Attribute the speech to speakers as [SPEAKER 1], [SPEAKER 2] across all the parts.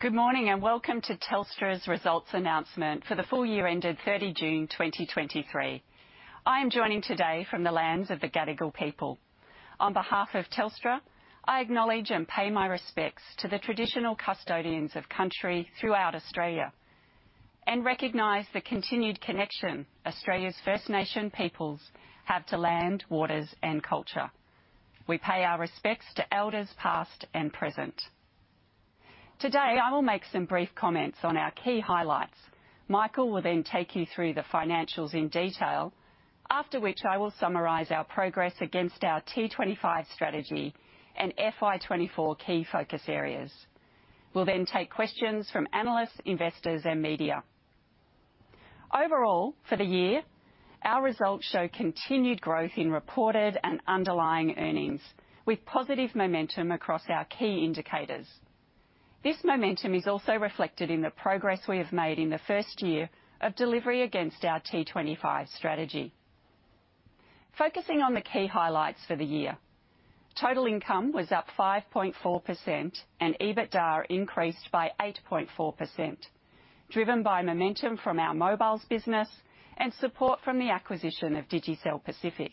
[SPEAKER 1] Good morning, and welcome to Telstra's results announcement for the full year ended 30 June 2023. I am joining today from the lands of the Gadigal people. On behalf of Telstra, I acknowledge and pay my respects to the traditional custodians of country throughout Australia, and recognize the continued connection Australia's First Nations peoples have to land, waters, and culture. We pay our respects to elders, past and present. Today, I will make some brief comments on our key highlights. Michael will then take you through the financials in detail, after which I will summarize our progress against our T25 strategy and FY 2024 key focus areas. We'll then take questions from analysts, investors, and media. Overall, for the year, our results show continued growth in reported and underlying earnings, with positive momentum across our key indicators. This momentum is also reflected in the progress we have made in the first year of delivery against our T25 strategy. Focusing on the key highlights for the year, total income was up 5.4%, and EBITDA increased by 8.4%, driven by momentum from our mobiles business and support from the acquisition of Digicel Pacific.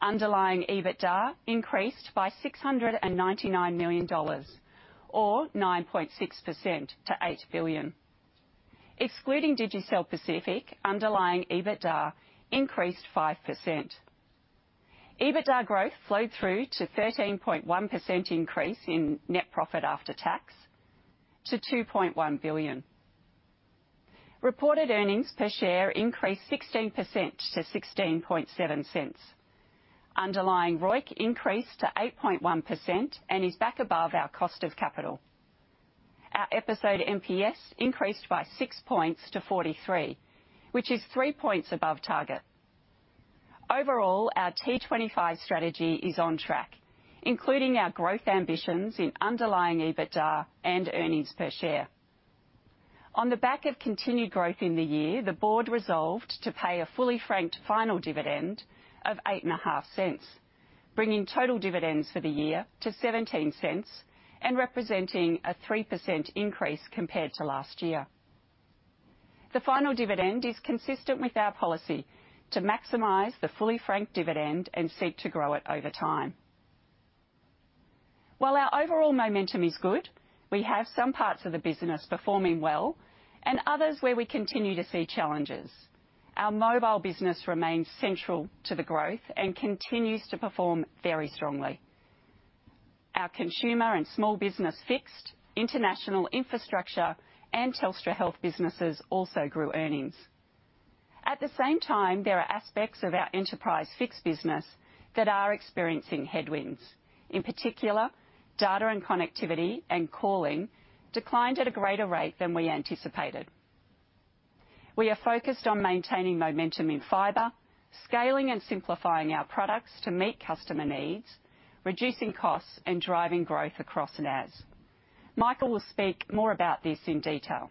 [SPEAKER 1] Underlying EBITDA increased by 699 million dollars, or 9.6% to 8 billion. Excluding Digicel Pacific, underlying EBITDA increased 5%. EBITDA growth flowed through to 13.1% increase in net profit after tax to 2.1 billion. Reported earnings per share increased 16% to 0.167. Underlying ROIC increased to 8.1% and is back above our cost of capital. Our Episode NPS increased by six points to 43, which is three points above target. Overall, our T25 strategy is on track, including our growth ambitions in underlying EBITDA and earnings per share. On the back of continued growth in the year, the board resolved to pay a fully franked final dividend of 0.085, bringing total dividends for the year to 0.17, and representing a 3% increase compared to last year. The final dividend is consistent with our policy to maximize the fully franked dividend and seek to grow it over time. While our overall momentum is good, we have some parts of the business performing well and others where we continue to see challenges. Our mobile business remains central to the growth and continues to perform very strongly. Our Consumer and Small Business Fixed, international infrastructure, and Telstra Health businesses also grew earnings. At the same time, there are aspects of our Enterprise Fixed business that are experiencing headwinds. In particular, data and connectivity and calling declined at a greater rate than we anticipated. We are focused on maintaining momentum in fibre, scaling and simplifying our products to meet customer needs, reducing costs, and driving growth across NAS. Michael will speak more about this in detail.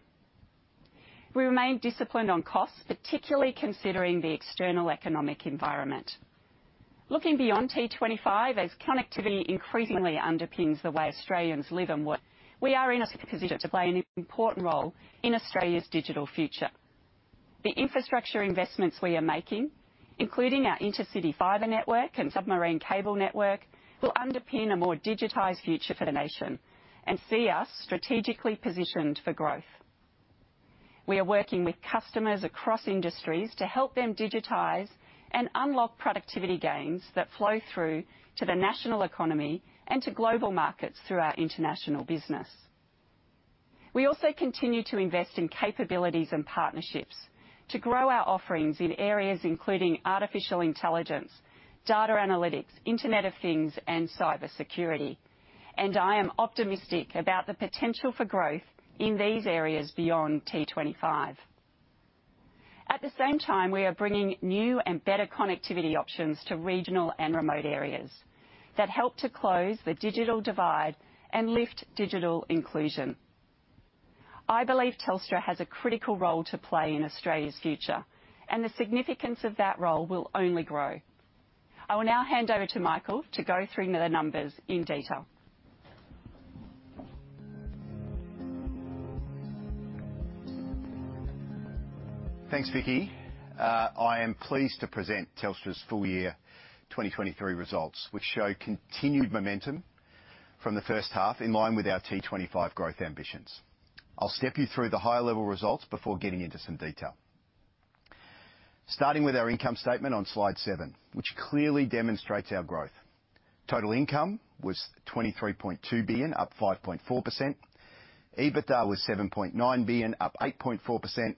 [SPEAKER 1] We remain disciplined on costs, particularly considering the external economic environment. Looking beyond T25, as connectivity increasingly underpins the way Australians live and work, we are in a position to play an important role in Australia's digital future. The infrastructure investments we are making, including our Intercity Fibre network and submarine cable network, will underpin a more digitized future for the nation and see us strategically positioned for growth. We are working with customers across industries to help them digitize and unlock productivity gains that flow through to the national economy and to global markets through our international business. We also continue to invest in capabilities and partnerships to grow our offerings in areas including artificial intelligence, data analytics, Internet of Things, and cybersecurity, and I am optimistic about the potential for growth in these areas beyond T25. At the same time, we are bringing new and better connectivity options to regional and remote areas that help to close the digital divide and lift digital inclusion. I believe Telstra has a critical role to play in Australia's future, and the significance of that role will only grow. I will now hand over to Michael to go through the numbers in detail.
[SPEAKER 2] Thanks, Vicki. I am pleased to present Telstra's full year 2023 results, which show continued momentum from the first half, in line with our T25 growth ambitions. I'll step you through the high-level results before getting into some detail. Starting with our income statement on slide 7, which clearly demonstrates our growth. Total income was AUD 23.2 billion, up 5.4%. EBITDA was 7.9 billion, up 8.4%.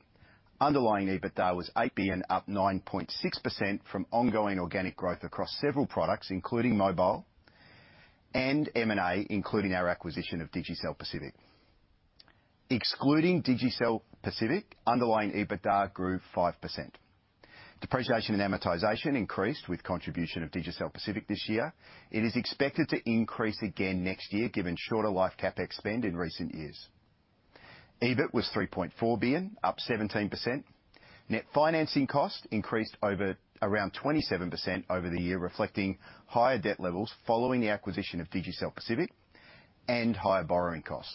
[SPEAKER 2] Underlying EBITDA was 8 billion, up 9.6% from ongoing organic growth across several products, including mobile, and M&A, including our acquisition of Digicel Pacific. Excluding Digicel Pacific, underlying EBITDA grew 5%. Depreciation and amortization increased with contribution of Digicel Pacific this year. It is expected to increase again next year, given shorter life CapEx spend in recent years. EBIT was 3.4 billion, up 17%. Net financing cost increased over around 27% over the year, reflecting higher debt levels following the acquisition of Digicel Pacific and higher borrowing costs.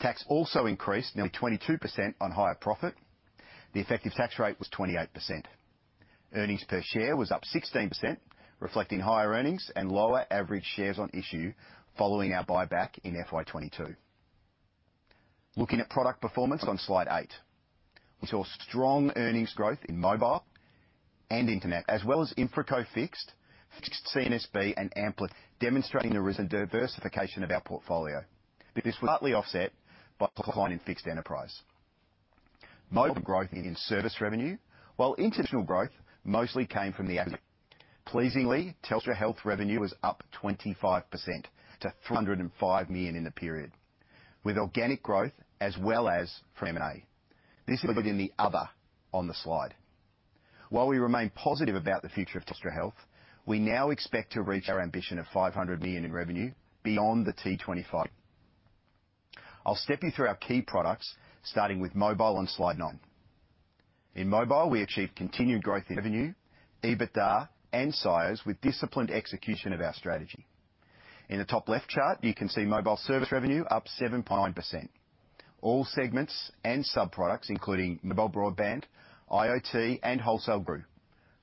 [SPEAKER 2] Tax also increased nearly 22% on higher profit. The effective tax rate was 28%. Earnings per share was up 16%, reflecting higher earnings and lower average shares on issue following our buyback in FY 2022. Looking at product performance on Slide 8, we saw strong earnings growth in mobile and internet, as well as InfraCo Fixed, CNSB, and Amplitel, demonstrating there is a diversification of our portfolio. This was partly offset by a decline in Fixed Enterprise. Mobile growth in service revenue, while international growth mostly came from the acquisition. Pleasingly, Telstra Health revenue was up 25% to 305 million in the period, with organic growth as well as from M&A. This is in the other on the slide. While we remain positive about the future of Telstra Health, we now expect to reach our ambition of 500 million in revenue beyond the T25. I'll step you through our key products, starting with mobile on Slide 9. In mobile, we achieved continued growth in revenue, EBITDA, and SIOs with disciplined execution of our strategy. In the top left chart, you can see mobile service revenue up 7.9%. All segments and sub-products, including mobile broadband, IoT, and wholesale grew.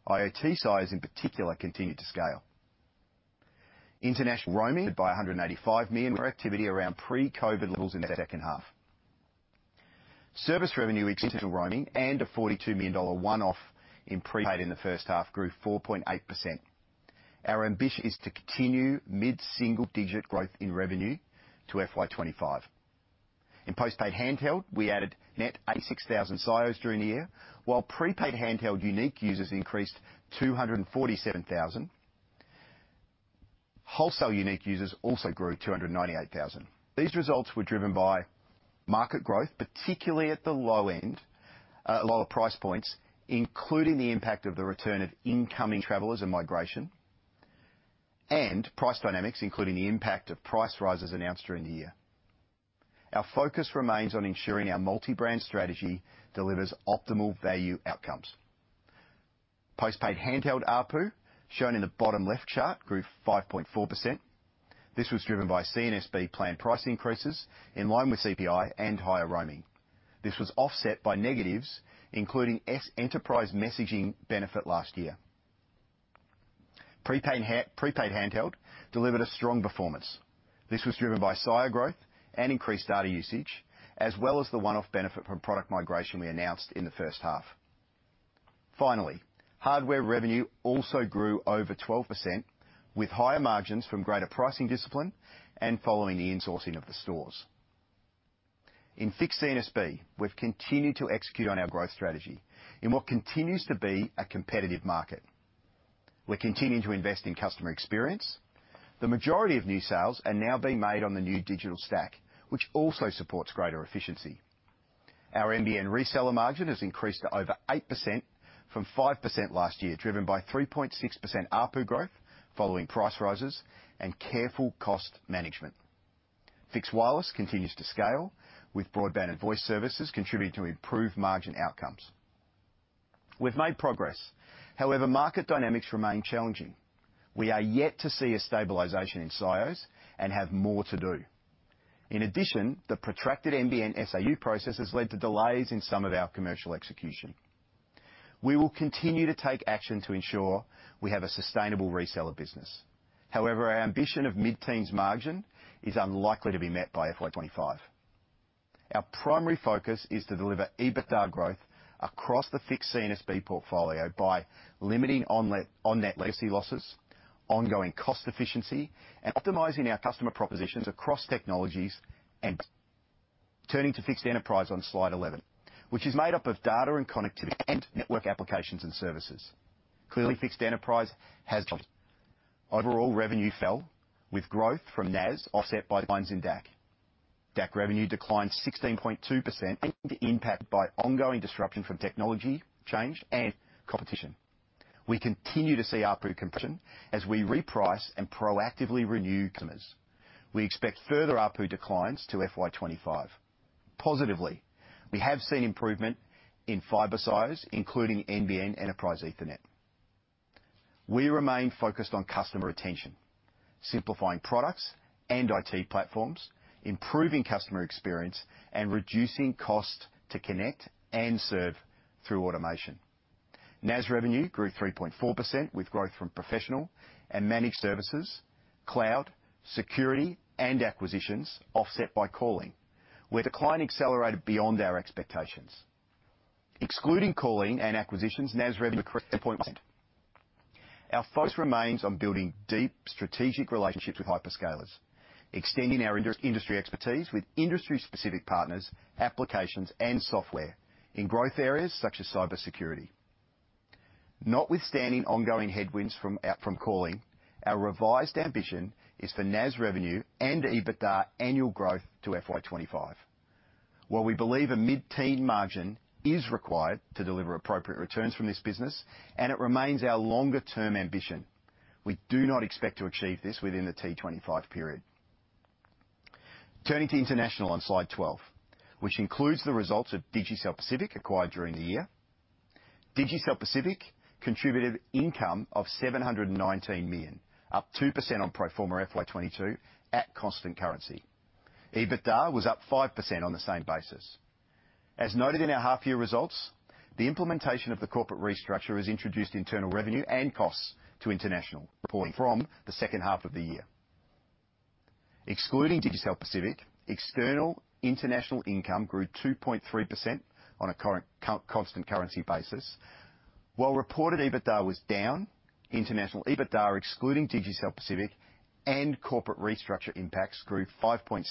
[SPEAKER 2] IoT SIOs, in particular, continued to scale. International roaming by 185 million activity around pre-COVID levels in the second half. Service revenue, including roaming and an AUD 42 million one-off in prepaid in the first half, grew 4.8%. Our ambition is to continue mid-single digit growth in revenue to FY 2025. In postpaid handheld, we added net 86,000 SIOs during the year, while prepaid handheld unique users increased 247,000. Wholesale unique users also grew to 298,000. These results were driven by market growth, particularly at the low end, lower price points, including the impact of the return of incoming travelers and migration, and price dynamics, including the impact of price rises announced during the year. Our focus remains on ensuring our multi-brand strategy delivers optimal value outcomes. Postpaid handheld ARPU, shown in the bottom left chart, grew 5.4%. This was driven by CNSB planned price increases in line with CPI and higher roaming. This was offset by negatives, including enterprise messaging benefit last year. Prepaid handheld delivered a strong performance. This was driven by ARPU growth and increased data usage, as well as the one-off benefit from product migration we announced in the first half. Finally, hardware revenue also grew over 12%, with higher margins from greater pricing discipline and following the insourcing of the stores. In Fixed CNSB, we've continued to execute on our growth strategy in what continues to be a competitive market. We're continuing to invest in customer experience. The majority of new sales are now being made on the new digital stack, which also supports greater efficiency. Our NBN reseller margin has increased to over 8% from 5% last year, driven by 3.6% ARPU growth following price rises and careful cost management. Fixed wireless continues to scale, with broadband and voice services contributing to improved margin outcomes. We've made progress, however, market dynamics remain challenging. We are yet to see a stabilization in SIOs and have more to do. In addition, the protracted NBN SAU process has led to delays in some of our commercial execution. We will continue to take action to ensure we have a sustainable reseller business. However, our ambition of mid-teens margin is unlikely to be met by FY 2025. Our primary focus is to deliver EBITDA growth across the Fixed CNSB portfolio by limiting on-net legacy losses, ongoing cost efficiency, and optimizing our customer propositions across technologies and... Turning to Fixed Enterprise on Slide 11, which is made up of Data and Connectivity and Network Applications and Services. Clearly, Fixed Enterprise has... Overall revenue fell, with growth from NAS offset by declines in DAC. DAC revenue declined 16.2%, impacted by ongoing disruption from technology change and competition. We continue to see ARPU compression as we reprice and proactively renew customers. We expect further ARPU declines to FY 2025. Positively, we have seen improvement in fibre size, including NBN Enterprise Ethernet. We remain focused on customer retention, simplifying products and IT platforms, improving customer experience, and reducing cost to connect and serve through automation. NAS revenue grew 3.4%, with growth from professional and managed services, cloud, security, and acquisitions offset by calling, where decline accelerated beyond our expectations. Excluding calling and acquisitions, NAS revenue increased 2.1%. Our focus remains on building deep strategic relationships with hyperscalers, extending our industry expertise with industry-specific partners, applications, and software in growth areas such as cybersecurity. Notwithstanding ongoing headwinds from calling, our revised ambition is for NAS revenue and EBITDA annual growth to FY 2025. While we believe a mid-teen margin is required to deliver appropriate returns from this business, and it remains our longer term ambition. We do not expect to achieve this within the T25 period. Turning to international on slide 12, which includes the results of Digicel Pacific, acquired during the year. Digicel Pacific contributed income of 719 million, up 2% on pro forma FY 2022 at constant currency. EBITDA was up 5% on the same basis. As noted in our half-year results, the implementation of the corporate restructure has introduced internal revenue and costs to international reporting from the second half of the year. Excluding Digicel Pacific, external international income grew 2.3% on a current constant currency basis. While reported EBITDA was down, international EBITDA, excluding Digicel Pacific and corporate restructure impacts, grew 5.7%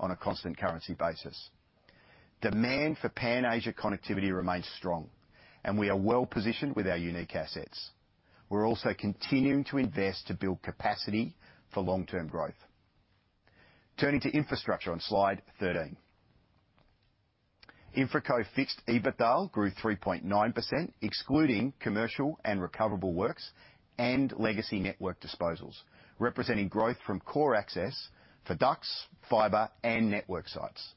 [SPEAKER 2] on a constant currency basis. Demand for Pan Asia connectivity remains strong, we are well positioned with our unique assets. We're also continuing to invest to build capacity for long-term growth. Turning to infrastructure on slide 13. InfraCo Fixed EBITDA grew 3.9%, excluding commercial and recoverable works and legacy network disposals, representing growth from core access for ducts, fibre, and network sites.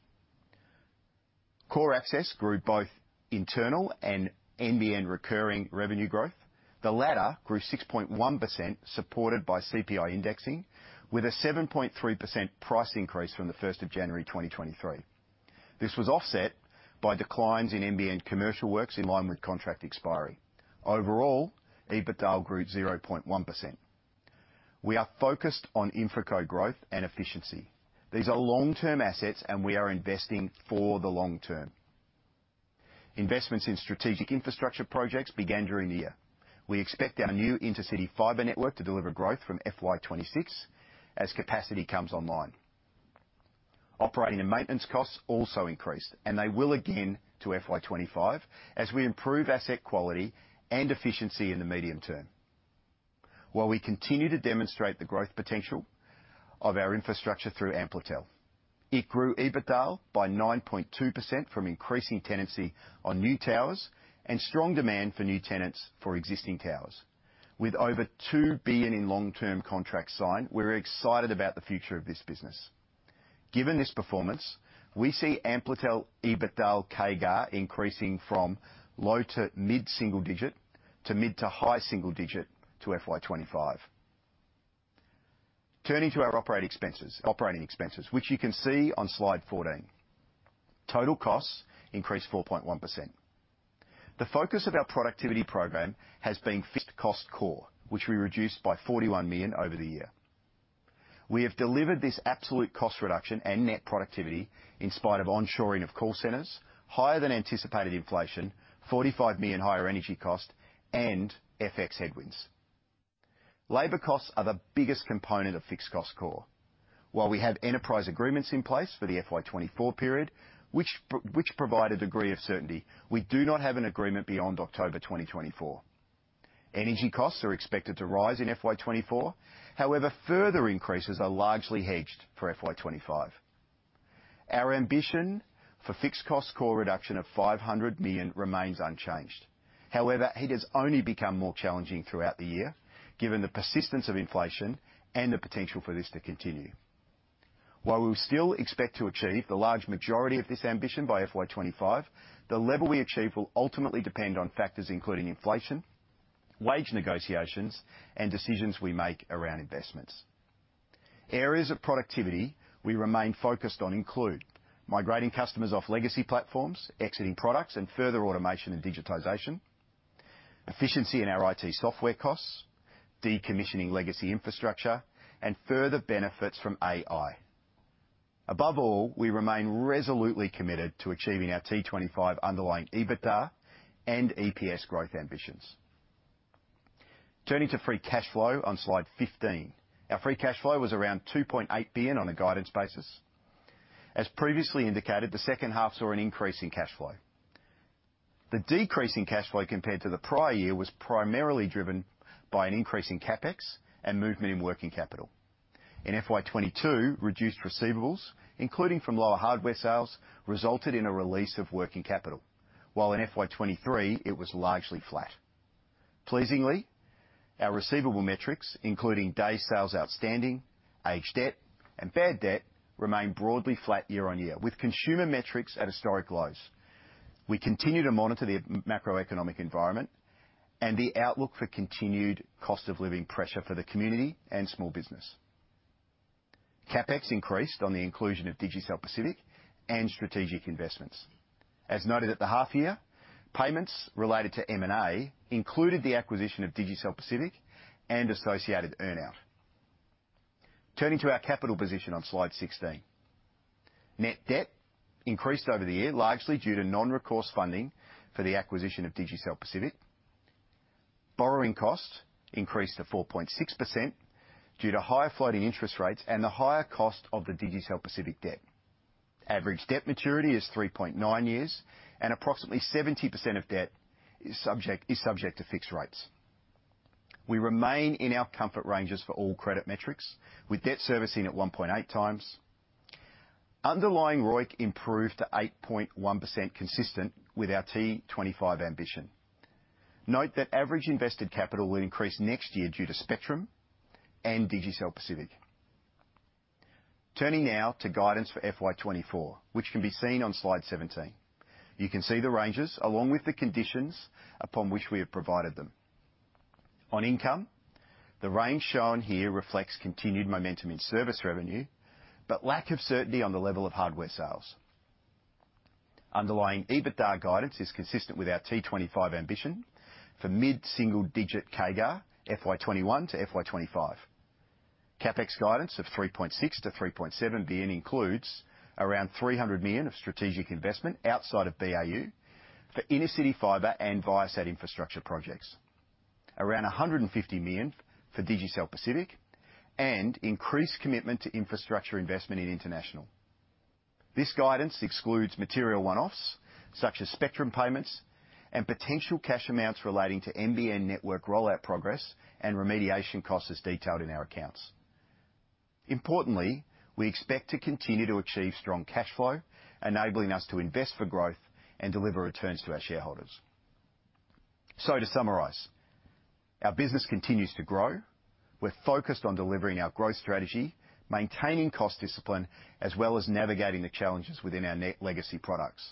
[SPEAKER 2] Core access grew both internal and NBN recurring revenue growth. The latter grew 6.1%, supported by CPI indexing, with a 7.3% price increase from the first of January, 2023. This was offset by declines in NBN commercial works in line with contract expiry. Overall, EBITDA grew 0.1%. We are focused on InfraCo growth and efficiency. These are long-term assets, and we are investing for the long term. Investments in strategic infrastructure projects began during the year. We expect our new intercity fibre network to deliver growth from FY 2026 as capacity comes online. Operating and maintenance costs also increased, and they will again to FY 2025, as we improve asset quality and efficiency in the medium term. While we continue to demonstrate the growth potential of our infrastructure through Amplitel, it grew EBITDA by 9.2% from increasing tenancy on new towers and strong demand for new tenants for existing towers. With over 2 billion in long-term contracts signed, we're excited about the future of this business. Given this performance, we see Amplitel EBITDA CAGR increasing from low to mid-single digit to mid to high single digit to FY 2025. Turning to our operating expenses, which you can see on Slide 14. Total costs increased 4.1%. The focus of our productivity program has been Fixed Cost Core, which we reduced by 41 million over the year. We have delivered this absolute cost reduction and net productivity in spite of onshoring of call centers, higher than anticipated inflation, 45 million higher energy cost, and FX headwinds. Labor costs are the biggest component of Fixed Cost Core. While we have enterprise agreements in place for the FY 2024 period, which provide a degree of certainty, we do not have an agreement beyond October 2024. Energy costs are expected to rise in FY 2024. However, further increases are largely hedged for FY 2025. Our ambition for Fixed Cost Core reduction of 500 million remains unchanged. However, it has only become more challenging throughout the year, given the persistence of inflation and the potential for this to continue. While we still expect to achieve the large majority of this ambition by FY 2025, the level we achieve will ultimately depend on factors including inflation, wage negotiations, and decisions we make around investments. Areas of productivity we remain focused on include migrating customers off legacy platforms, exiting products, and further automation and digitization, efficiency in our IT software costs, decommissioning legacy infrastructure, and further benefits from AI. Above all, we remain resolutely committed to achieving our T25 underlying EBITDA and EPS growth ambitions. Turning to free cash flow on slide 15. Our free cash flow was around 2.8 billion on a guided basis. As previously indicated, the second half saw an increase in cash flow. The decrease in cash flow compared to the prior year was primarily driven by an increase in CapEx and movement in working capital. In FY 2022, reduced receivables, including from lower hardware sales, resulted in a release of working capital, while in FY 2023, it was largely flat. Pleasingly, our receivable metrics, including days sales outstanding, aged debt, and bad debt, remained broadly flat year-on-year, with consumer metrics at historic lows. We continue to monitor the macroeconomic environment and the outlook for continued cost of living pressure for the community and small business. CapEx increased on the inclusion of Digicel Pacific and strategic investments. As noted at the half year, payments related to M&A included the acquisition of Digicel Pacific and associated earn-out. Turning to our capital position on Slide 16, net debt increased over the year, largely due to non-recourse funding for the acquisition of Digicel Pacific. Borrowing costs increased to 4.6% due to higher floating interest rates and the higher cost of the Digicel Pacific debt. Average debt maturity is 3.9 years, and approximately 70% of debt is subject to Fixed rates. We remain in our comfort ranges for all credit metrics, with debt servicing at 1.8x. Underlying ROIC improved to 8.1%, consistent with our T25 ambition. Note that average invested capital will increase next year due to spectrum and Digicel Pacific. Turning now to guidance for FY 2024, which can be seen on slide 17. You can see the ranges along with the conditions upon which we have provided them. On income, the range shown here reflects continued momentum in service revenue, but lack of certainty on the level of hardware sales. Underlying EBITDA guidance is consistent with our T25 ambition for mid-single digit CAGR, FY 2021 to FY 2025. CapEx guidance of 3.6 billion-3.7 billion includes around 300 million of strategic investment outside of BAU for Intercity Fibre and Viasat infrastructure projects. Around 150 million for Digicel Pacific, and increased commitment to infrastructure investment in international. This guidance excludes material one-offs, such as spectrum payments and potential cash amounts relating to NBN network rollout progress and remediation costs, as detailed in our accounts. Importantly, we expect to continue to achieve strong cash flow, enabling us to invest for growth and deliver returns to our shareholders. To summarize, our business continues to grow. We're focused on delivering our growth strategy, maintaining cost discipline, as well as navigating the challenges within our net legacy products.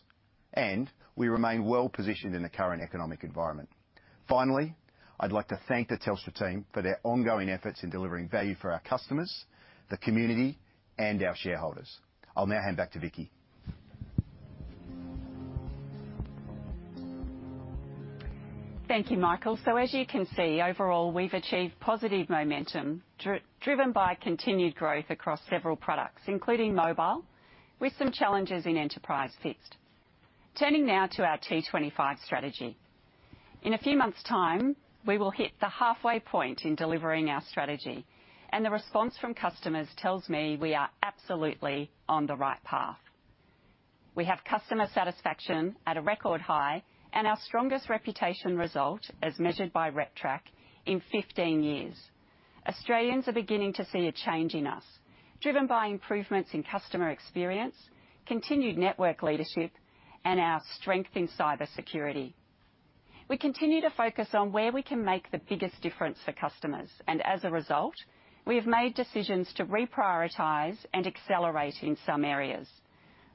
[SPEAKER 2] We remain well-positioned in the current economic environment. Finally, I'd like to thank the Telstra team for their ongoing efforts in delivering value for our customers, the community, and our shareholders. I'll now hand back to Vicki.
[SPEAKER 1] Thank you, Michael. As you can see, overall, we've achieved positive momentum, driven by continued growth across several products, including mobile, with some challenges in Enterprise Fixed. Turning now to our T25 strategy. In a few months' time, we will hit the halfway point in delivering our strategy, and the response from customers tells me we are absolutely on the right path. We have customer satisfaction at a record high and our strongest reputation result, as measured by RepTrak, in 15 years. Australians are beginning to see a change in us, driven by improvements in customer experience, continued network leadership, and our strength in cybersecurity. We continue to focus on where we can make the biggest difference for customers, and as a result, we have made decisions to reprioritize and accelerate in some areas.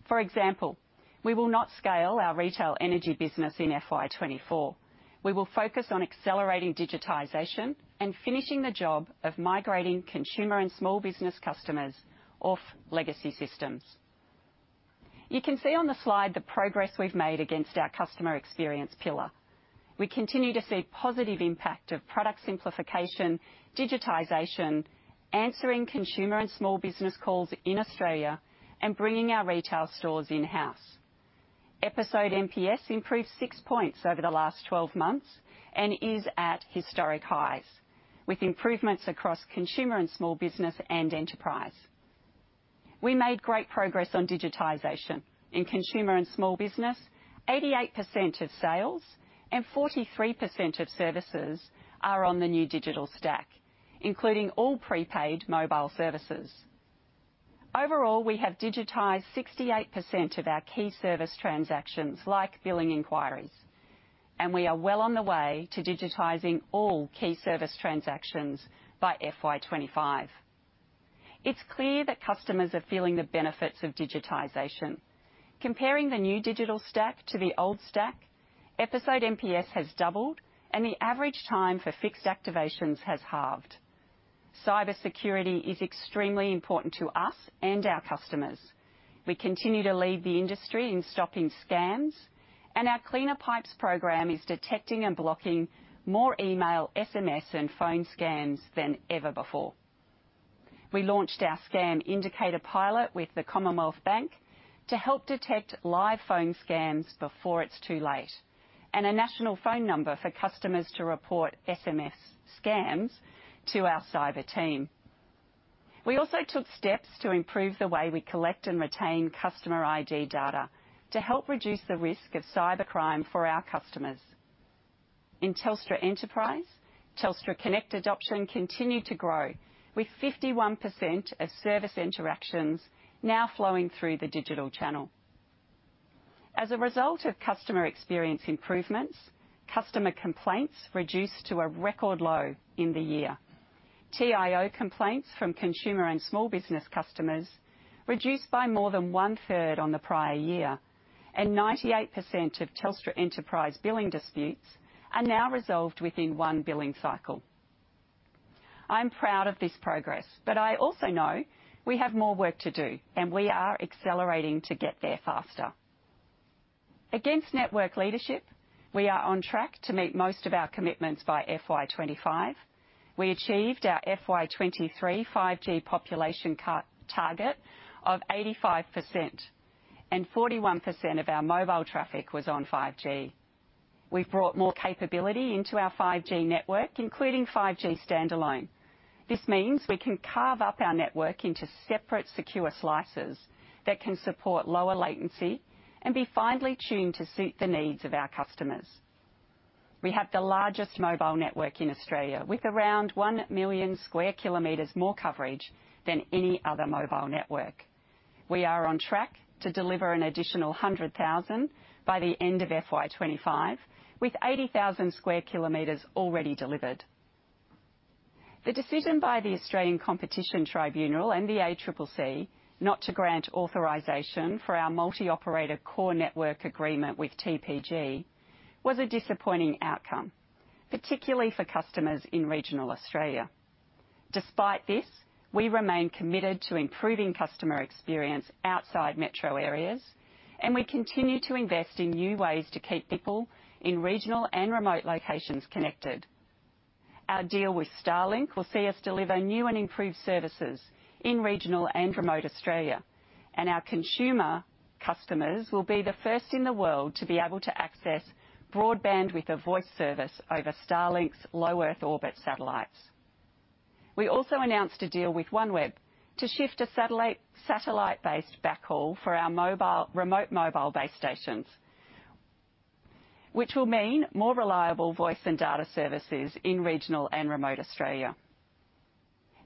[SPEAKER 1] For example, we will not scale our retail energy business in FY 2024. We will focus on accelerating digitization and finishing the job of migrating consumer and small business customers off legacy systems. You can see on the slide the progress we've made against our customer experience pillar. We continue to see positive impact of product simplification, digitization, answering consumer and small business calls in Australia, and bringing our retail stores in-house. Episode NPS improved six points over the last 12 months and is at historic highs, with improvements across consumer and small business, and enterprise. We made great progress on digitization. In consumer and small business, 88% of sales and 43% of services are on the new digital stack, including all prepaid mobile services. Overall, we have digitized 68% of our key service transactions, like billing inquiries, and we are well on the way to digitizing all key service transactions by FY 2025. It's clear that customers are feeling the benefits of digitization. Comparing the new digital stack to the old stack, Episode NPS has doubled, and the average time for Fixed activations has halved. Cybersecurity is extremely important to us and our customers. We continue to lead the industry in stopping scams, and our Cleaner Pipes program is detecting and blocking more email, SMS, and phone scams than ever before. We launched our Scam Indicator pilot with the Commonwealth Bank to help detect live phone scams before it's too late, and a national phone number for customers to report SMS scams to our cyber team. We also took steps to improve the way we collect and retain customer ID data to help reduce the risk of cybercrime for our customers. In Telstra Enterprise, Telstra Connect adoption continued to grow, with 51% of service interactions now flowing through the digital channel. As a result of customer experience improvements, customer complaints reduced to a record low in the year. TIO complaints from consumer and small business customers reduced by more than 1/3 on the prior year and 98% of Telstra Enterprise billing disputes are now resolved within one billing cycle. I'm proud of this progress. I also know we have more work to do. We are accelerating to get there faster. Against network leadership, we are on track to meet most of our commitments by FY 2025. We achieved our FY 2023 5G population cut target of 85%. 41% of our mobile traffic was on 5G. We've brought more capability into our 5G network, including 5G standalone. This means we can carve up our network into separate, secure slices that can support lower latency and be finely tuned to suit the needs of our customers.... We have the largest mobile network in Australia, with around 1 million square kilometers more coverage than any other mobile network. We are on track to deliver an additional 100,000 by the end of FY 2025, with 80,000 sq km already delivered. The decision by the Australian Competition Tribunal and the ACCC not to grant authorization for our multi-operator core network agreement with TPG was a disappointing outcome, particularly for customers in regional Australia. Despite this, we remain committed to improving customer experience outside metro areas, and we continue to invest in new ways to keep people in regional and remote locations connected. Our deal with Starlink will see us deliver new and improved services in regional and remote Australia, and our consumer customers will be the first in the world to be able to access broadband with a voice service over Starlink's low Earth orbit satellites. We also announced a deal with OneWeb to shift a satellite, satellite-based backhaul for our mobile- remote mobile base stations, which will mean more reliable voice and data services in regional and remote Australia.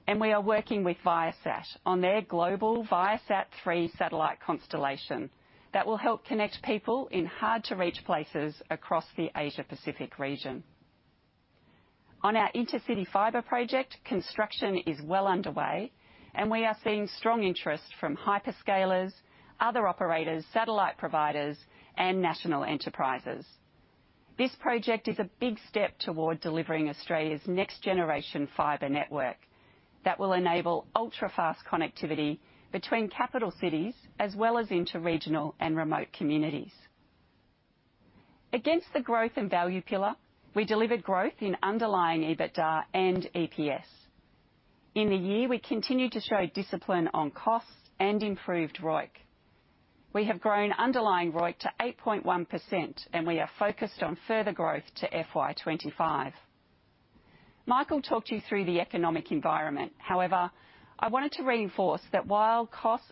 [SPEAKER 1] We are working with Viasat on their global ViaSat-3 satellite constellation that will help connect people in hard-to-reach places across the Asia Pacific region. On our InterCity Fibre project, construction is well underway, and we are seeing strong interest from hyperscalers, other operators, satellite providers, and national enterprises. This project is a big step toward delivering Australia's next-generation fibre network that will enable ultra-fast connectivity between capital cities, as well as into regional and remote communities. Against the growth and value pillar, we delivered growth in underlying EBITDA and EPS. In the year, we continued to show discipline on costs and improved ROIC. We have grown underlying ROIC to 8.1%. We are focused on further growth to FY 2025. Michael talked you through the economic environment. I wanted to reinforce that while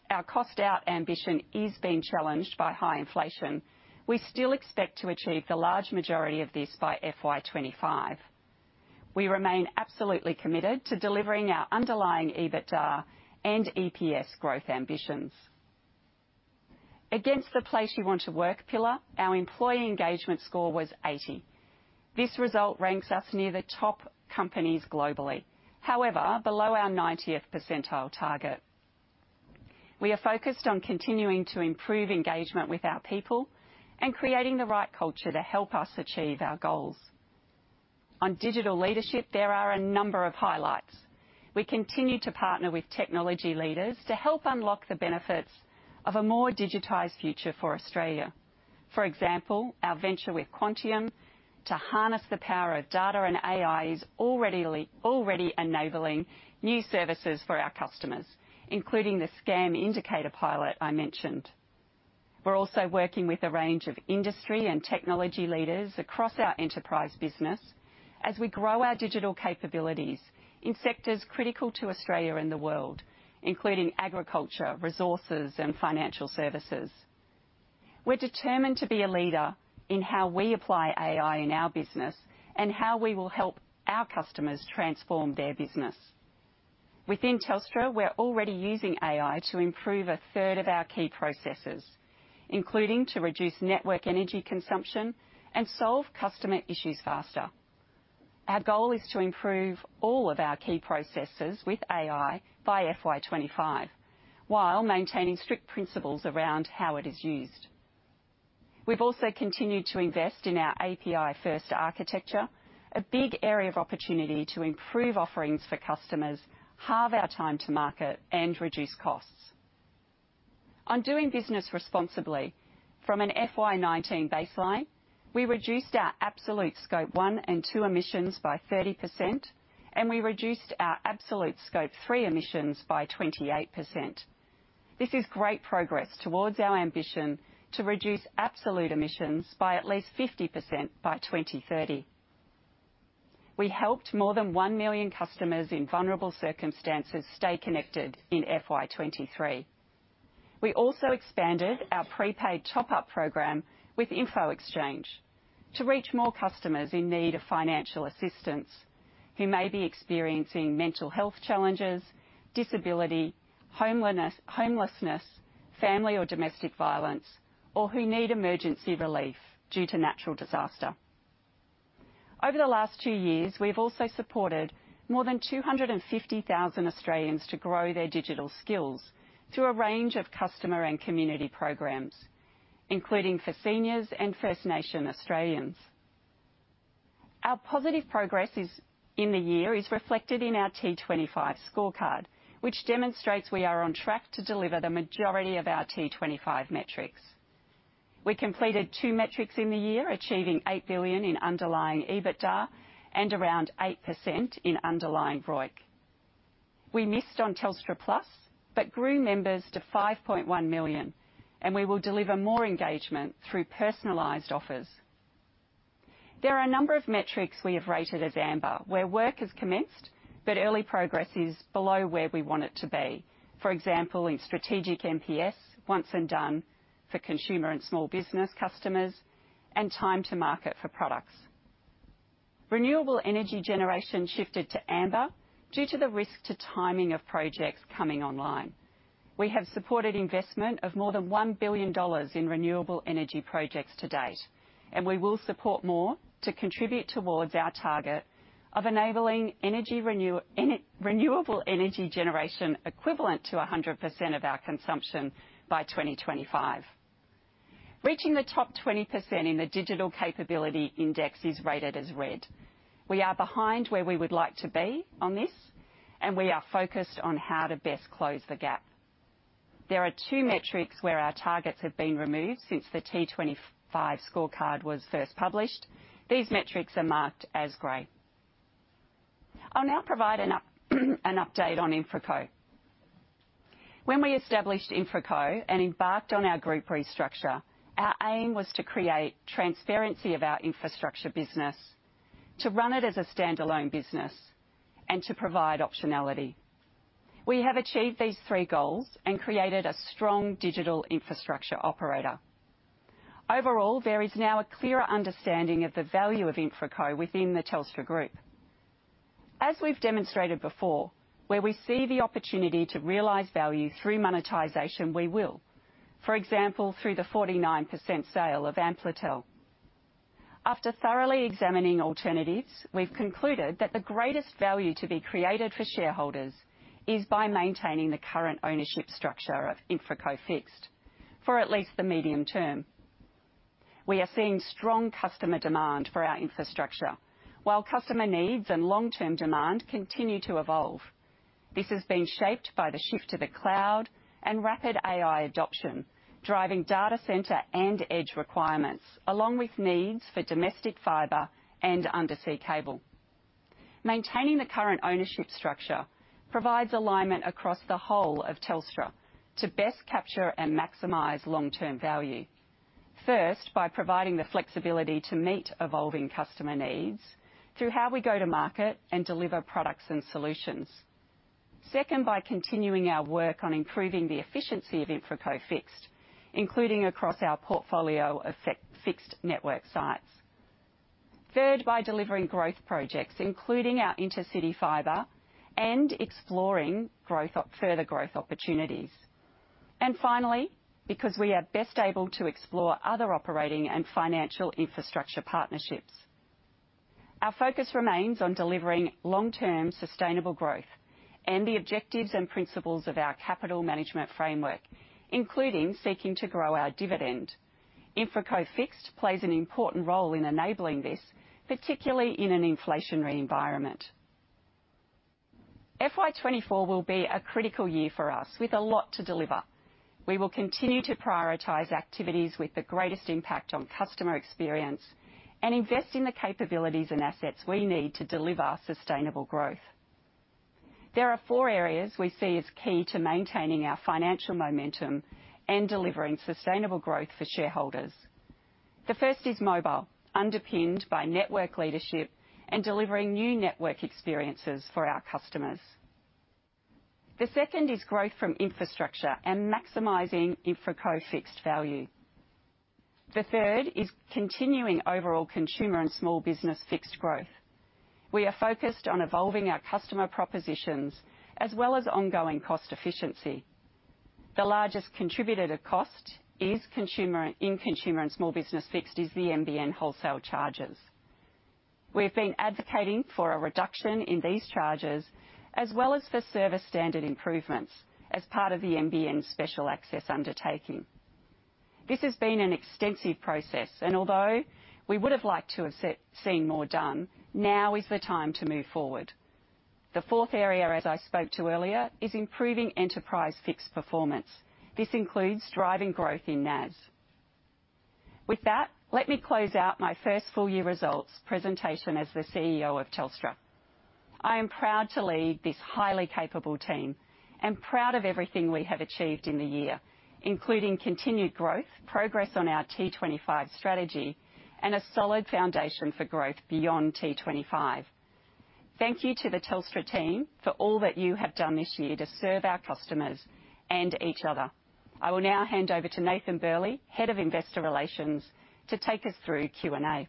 [SPEAKER 1] our cost out ambition is being challenged by high inflation, we still expect to achieve the large majority of this by FY 2025. We remain absolutely committed to delivering our underlying EBITDA and EPS growth ambitions. Against the place you want to work pillar, our employee engagement score was 80. This result ranks us near the top companies globally. Below our 90th percentile target. We are focused on continuing to improve engagement with our people and creating the right culture to help us achieve our goals. On digital leadership, there are a number of highlights. We continue to partner with technology leaders to help unlock the benefits of a more digitized future for Australia. For example, our venture with Quantium to harness the power of data and AI is already enabling new services for our customers, including the Scam Indicator pilot I mentioned. We're also working with a range of industry and technology leaders across our enterprise business as we grow our digital capabilities in sectors critical to Australia and the world, including agriculture, resources, and financial services. We're determined to be a leader in how we apply AI in our business and how we will help our customers transform their business. Within Telstra, we're already using AI to improve a third of our key processes, including to reduce network energy consumption and solve customer issues faster. Our goal is to improve all of our key processes with AI by FY 2025, while maintaining strict principles around how it is used. We've also continued to invest in our API-first architecture, a big area of opportunity to improve offerings for customers, halve our time to market, and reduce costs. On doing business responsibly, from an FY 2019 baseline, we reduced our absolute Scope 1 and 2 emissions by 30%, and we reduced our absolute Scope 3 emissions by 28%. This is great progress towards our ambition to reduce absolute emissions by at least 50% by 2030. We helped more than 1 million customers in vulnerable circumstances stay connected in FY 2023. We also expanded our prepaid top-up program with Infoxchange to reach more customers in need of financial assistance, who may be experiencing mental health challenges, disability, homelessness, family or domestic violence, or who need emergency relief due to natural disaster. Over the last two years, we've also supported more than 250,000 Australians to grow their digital skills through a range of customer and community programs, including for seniors and First Nations Australians. Our positive progress, in the year, is reflected in our T25 scorecard, which demonstrates we are on track to deliver the majority of our T25 metrics. We completed two metrics in the year, achieving 8 billion in underlying EBITDA and around 8% in underlying ROIC. We missed on Telstra Plus, but grew members to 5.1 million, and we will deliver more engagement through personalized offers. There are a number of metrics we have rated as amber, where work has commenced, but early progress is below where we want it to be. For example, in Strategic NPS, once and done for consumer and small business customers, and time to market for products. Renewable energy generation shifted to amber due to the risk to timing of projects coming online. We have supported investment of more than $1 billion in renewable energy projects to date, and we will support more to contribute towards our target of enabling renewable energy generation equivalent to 100% of our consumption by 2025. Reaching the top 20% in the digital capability index is rated as red. We are behind where we would like to be on this, and we are focused on how to best close the gap. There are 2 metrics where our targets have been removed since the T25 scorecard was first published. These metrics are marked as gray. I'll now provide an update on InfraCo. When we established InfraCo and embarked on our Group restructure, our aim was to create transparency of our infrastructure business, to run it as a standalone business, and to provide optionality. We have achieved these three goals and created a strong digital infrastructure operator. Overall, there is now a clearer understanding of the value of InfraCo within the Telstra Group. As we've demonstrated before, where we see the opportunity to realize value through monetization, we will. For example, through the 49% sale of Amplitel. After thoroughly examining alternatives, we've concluded that the greatest value to be created for shareholders is by maintaining the current ownership structure of InfraCo Fixed for at least the medium term. We are seeing strong customer demand for our infrastructure, while customer needs and long-term demand continue to evolve. This has been shaped by the shift to the cloud and rapid AI adoption, driving data center and edge requirements, along with needs for domestic fibre and undersea cable. Maintaining the current ownership structure provides alignment across the whole of Telstra to best capture and maximize long-term value. First, by providing the flexibility to meet evolving customer needs through how we go to market and deliver products and solutions. Second, by continuing our work on improving the efficiency of InfraCo Fixed, including across our portfolio of Fixed network sites. Third, by delivering growth projects, including our intercity fibre, and exploring further growth opportunities. Finally, because we are best able to explore other operating and financial infrastructure partnerships. Our focus remains on delivering long-term, sustainable growth and the objectives and principles of our capital management framework, including seeking to grow our dividend. InfraCo Fixed plays an important role in enabling this, particularly in an inflationary environment. FY 2024 will be a critical year for us with a lot to deliver. We will continue to prioritize activities with the greatest impact on customer experience and invest in the capabilities and assets we need to deliver sustainable growth. There are four areas we see as key to maintaining our financial momentum and delivering sustainable growth for shareholders. The first is mobile, underpinned by network leadership and delivering new network experiences for our customers. The second is growth from infrastructure and maximizing InfraCo Fixed value. The third is continuing overall consumer and small business Fixed growth. We are focused on evolving our customer propositions as well as ongoing cost efficiency. The largest contributor to cost is consumer, in consumer and small business Fixed is the NBN wholesale charges. We've been advocating for a reduction in these charges, as well as for service standard improvements as part of the NBN's Special Access Undertaking. This has been an extensive process, although we would have liked to have seen more done, now is the time to move forward. The fourth area, as I spoke to earlier, is improving Enterprise Fixed performance. This includes driving growth in NAS. With that, let me close out my first full year results presentation as the CEO of Telstra. I am proud to lead this highly capable team and proud of everything we have achieved in the year, including continued growth, progress on our T25 strategy, and a solid foundation for growth beyond T25. Thank you to the Telstra team for all that you have done this year to serve our customers and each other. I will now hand over to Nathan Burley, Head of Investor Relations, to take us through Q&A.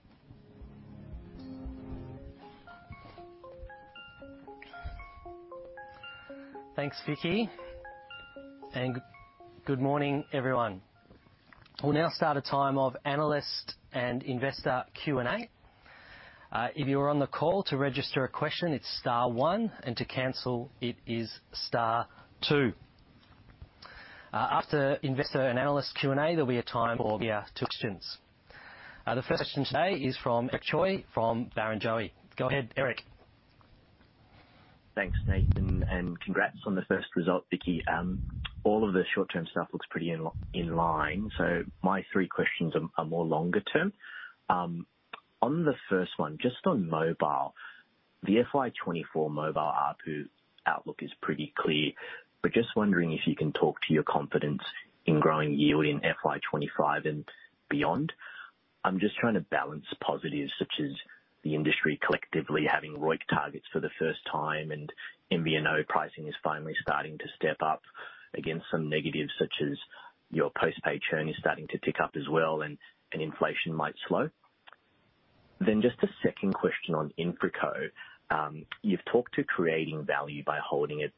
[SPEAKER 3] Thanks, Vicki, and good morning, everyone. We'll now start a time of analyst and investor Q&A. If you are on the call, to register a question, it's star one, and to cancel, it is star two. After investor and analyst Q&A, there'll be a time for media to questions. The first question today is from Eric Choi, from Barrenjoey. Go ahead, Eric.
[SPEAKER 4] Thanks, Nathan, and congrats on the first result, Vicki. All of the short-term stuff looks pretty in li- in line, so my three questions are, are more longer term. On the first one, just on mobile, the FY 2024 mobile ARPU outlook is pretty clear, but just wondering if you can talk to your confidence in growing yearly in FY 2025 and beyond.... I'm just trying to balance positives, such as the industry collectively having ROIC targets for the first time, and MVNO pricing is finally starting to step up against some negatives, such as your postpaid churn is starting to tick up as well, and, and inflation might slow. Just a second question on InfraCo. You've talked to creating value by holding it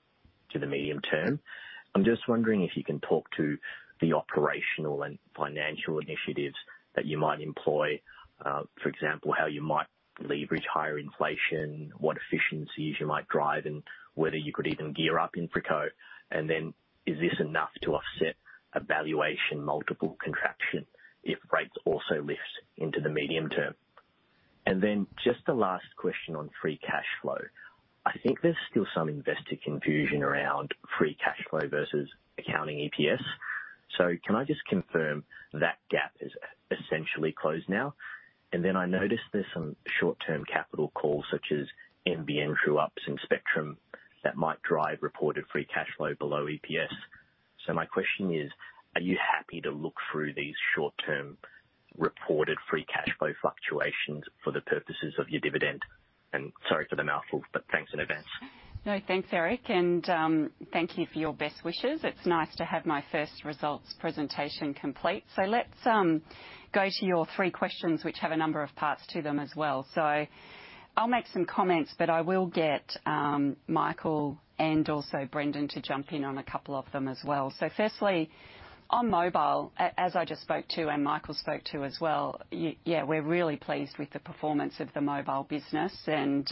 [SPEAKER 4] to the medium term. I'm just wondering if you can talk to the operational and financial initiatives that you might employ. For example, how you might leverage higher inflation, what efficiencies you might drive, and whether you could even gear up InfraCo. Is this enough to offset a valuation multiple contraction if rates also lift into the medium term? Just a last question on free cash flow. I think there's still some investor confusion around free cash flow versus accounting EPS. Can I just confirm that gap is essentially closed now? I noticed there's some short-term capital calls, such as NBN true-ups and spectrum, that might drive reported free cash flow below EPS. My question is, are you happy to look through these short-term reported free cash flow fluctuations for the purposes of your dividend? Sorry for the mouthful, but thanks in advance.
[SPEAKER 1] No, thanks, Eric. Thank you for your best wishes. It's nice to have my first results presentation complete. Let's go to your three questions, which have a number of parts to them as well. I'll make some comments, but I will get Michael and also Brendon to jump in on a couple of them as well. Firstly, on mobile, as I just spoke to and Michael spoke to as well, yeah, we're really pleased with the performance of the mobile business, and,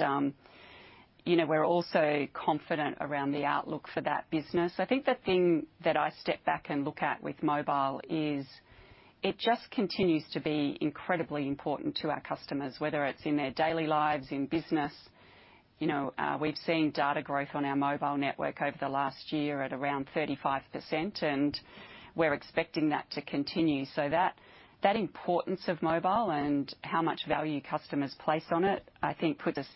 [SPEAKER 1] you know, we're also confident around the outlook for that business. I think the thing that I step back and look at with mobile is it just continues to be incredibly important to our customers, whether it's in their daily lives, in business. You know, we've seen data growth on our mobile network over the last year at around 35%, and we're expecting that to continue. That, that importance of mobile and how much value customers place on it, I think puts us...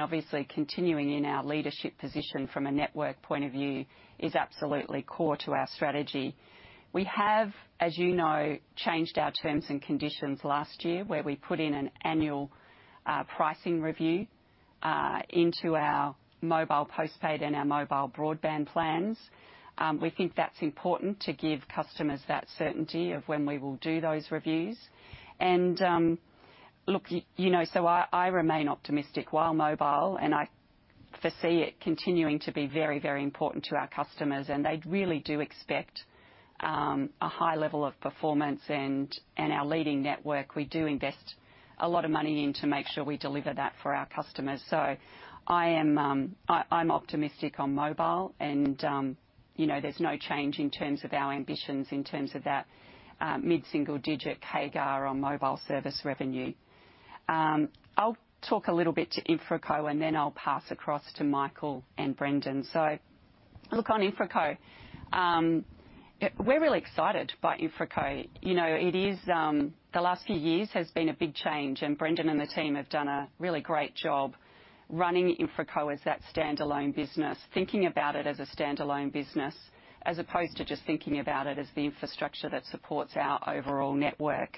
[SPEAKER 1] Obviously, continuing in our leadership position from a network point of view is absolutely core to our strategy. We have, as you know, changed our terms and conditions last year, where we put in an annual pricing review into our mobile postpaid and our mobile broadband plans. We think that's important to give customers that certainty of when we will do those reviews. Look, you know, I, I remain optimistic, while mobile, and I foresee it continuing to be very, very important to our customers, and they really do expect a high level of performance and, and our leading network. We do invest a lot of money in to make sure we deliver that for our customers. I am, I, I'm optimistic on mobile, and, you know, there's no change in terms of our ambitions, in terms of that mid-single digit CAGR on mobile service revenue. I'll talk a little bit to InfraCo, and then I'll pass across to Michael and Brendon. Look, on InfraCo, we're really excited by InfraCo. You know, it is... The last few years has been a big change. Brendon and the team have done a really great job running InfraCo as that standalone business, thinking about it as a standalone business, as opposed to just thinking about it as the infrastructure that supports our overall network.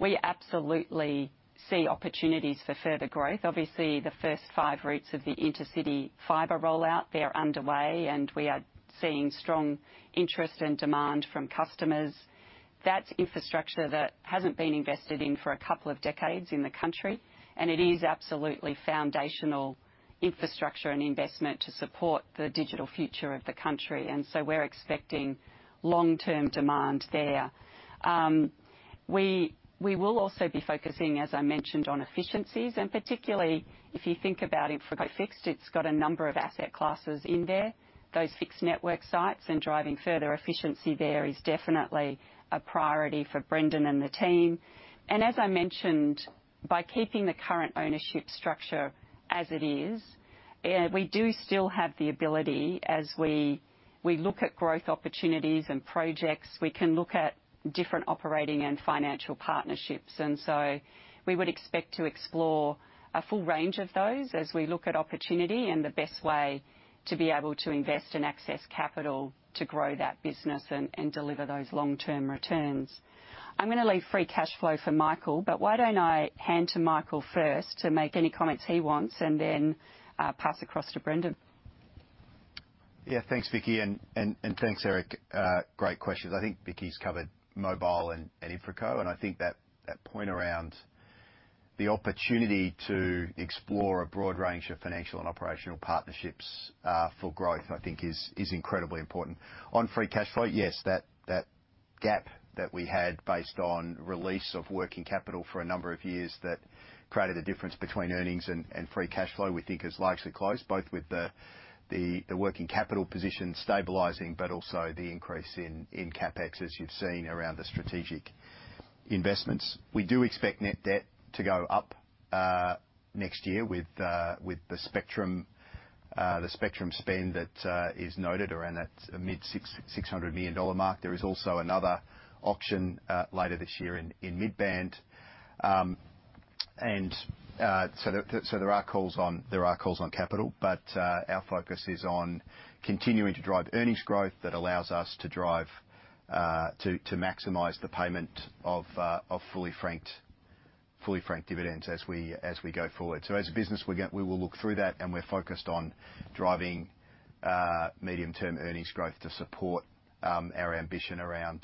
[SPEAKER 1] We absolutely see opportunities for further growth. Obviously, the first five routes of the intercity fibre rollout, they're underway, and we are seeing strong interest and demand from customers. That's infrastructure that hasn't been invested in for a couple of decades in the country, and it is absolutely foundational infrastructure and investment to support the digital future of the country, and so we're expecting long-term demand there. We, we will also be focusing, as I mentioned, on efficiencies, and particularly if you think about InfraCo Fixed, it's got a number of asset classes in there. Those Fixed network sites and driving further efficiency there is definitely a priority for Brendon and the team. As I mentioned, by keeping the current ownership structure as it is, we do still have the ability, as we, we look at growth opportunities and projects, we can look at different operating and financial partnerships. We would expect to explore a full range of those as we look at opportunity and the best way to be able to invest and access capital to grow that business and, and deliver those long-term returns. I'm gonna leave free cashflow for Michael, but why don't I hand to Michael first to make any comments he wants and then pass across to Brendon?
[SPEAKER 2] Yeah, thanks, Vicki, and, and, and thanks, Eric. Great questions. I think Vicki's covered mobile and, and InfraCo, and I think that, that point around the opportunity to explore a broad range of financial and operational partnerships, for growth, I think is, is incredibly important. On free cash flow, yes, that, that gap that we had based on release of working capital for a number of years, that created a difference between earnings and, and free cash flow, we think is largely closed, both with the, the, the working capital position stabilizing, but also the increase in, in CapEx, as you've seen around the strategic investments. We do expect net debt to go up next year with the spectrum, the spectrum spend that is noted around that mid 600 million dollar mark. There is also another auction, later this year in, in mid-band.... There are calls on capital, but our focus is on continuing to drive earnings growth that allows us to drive to, to maximize the payment of fully franked, fully franked dividends as we, as we go forward. As a business, we will look through that, and we're focused on driving medium-term earnings growth to support our ambition around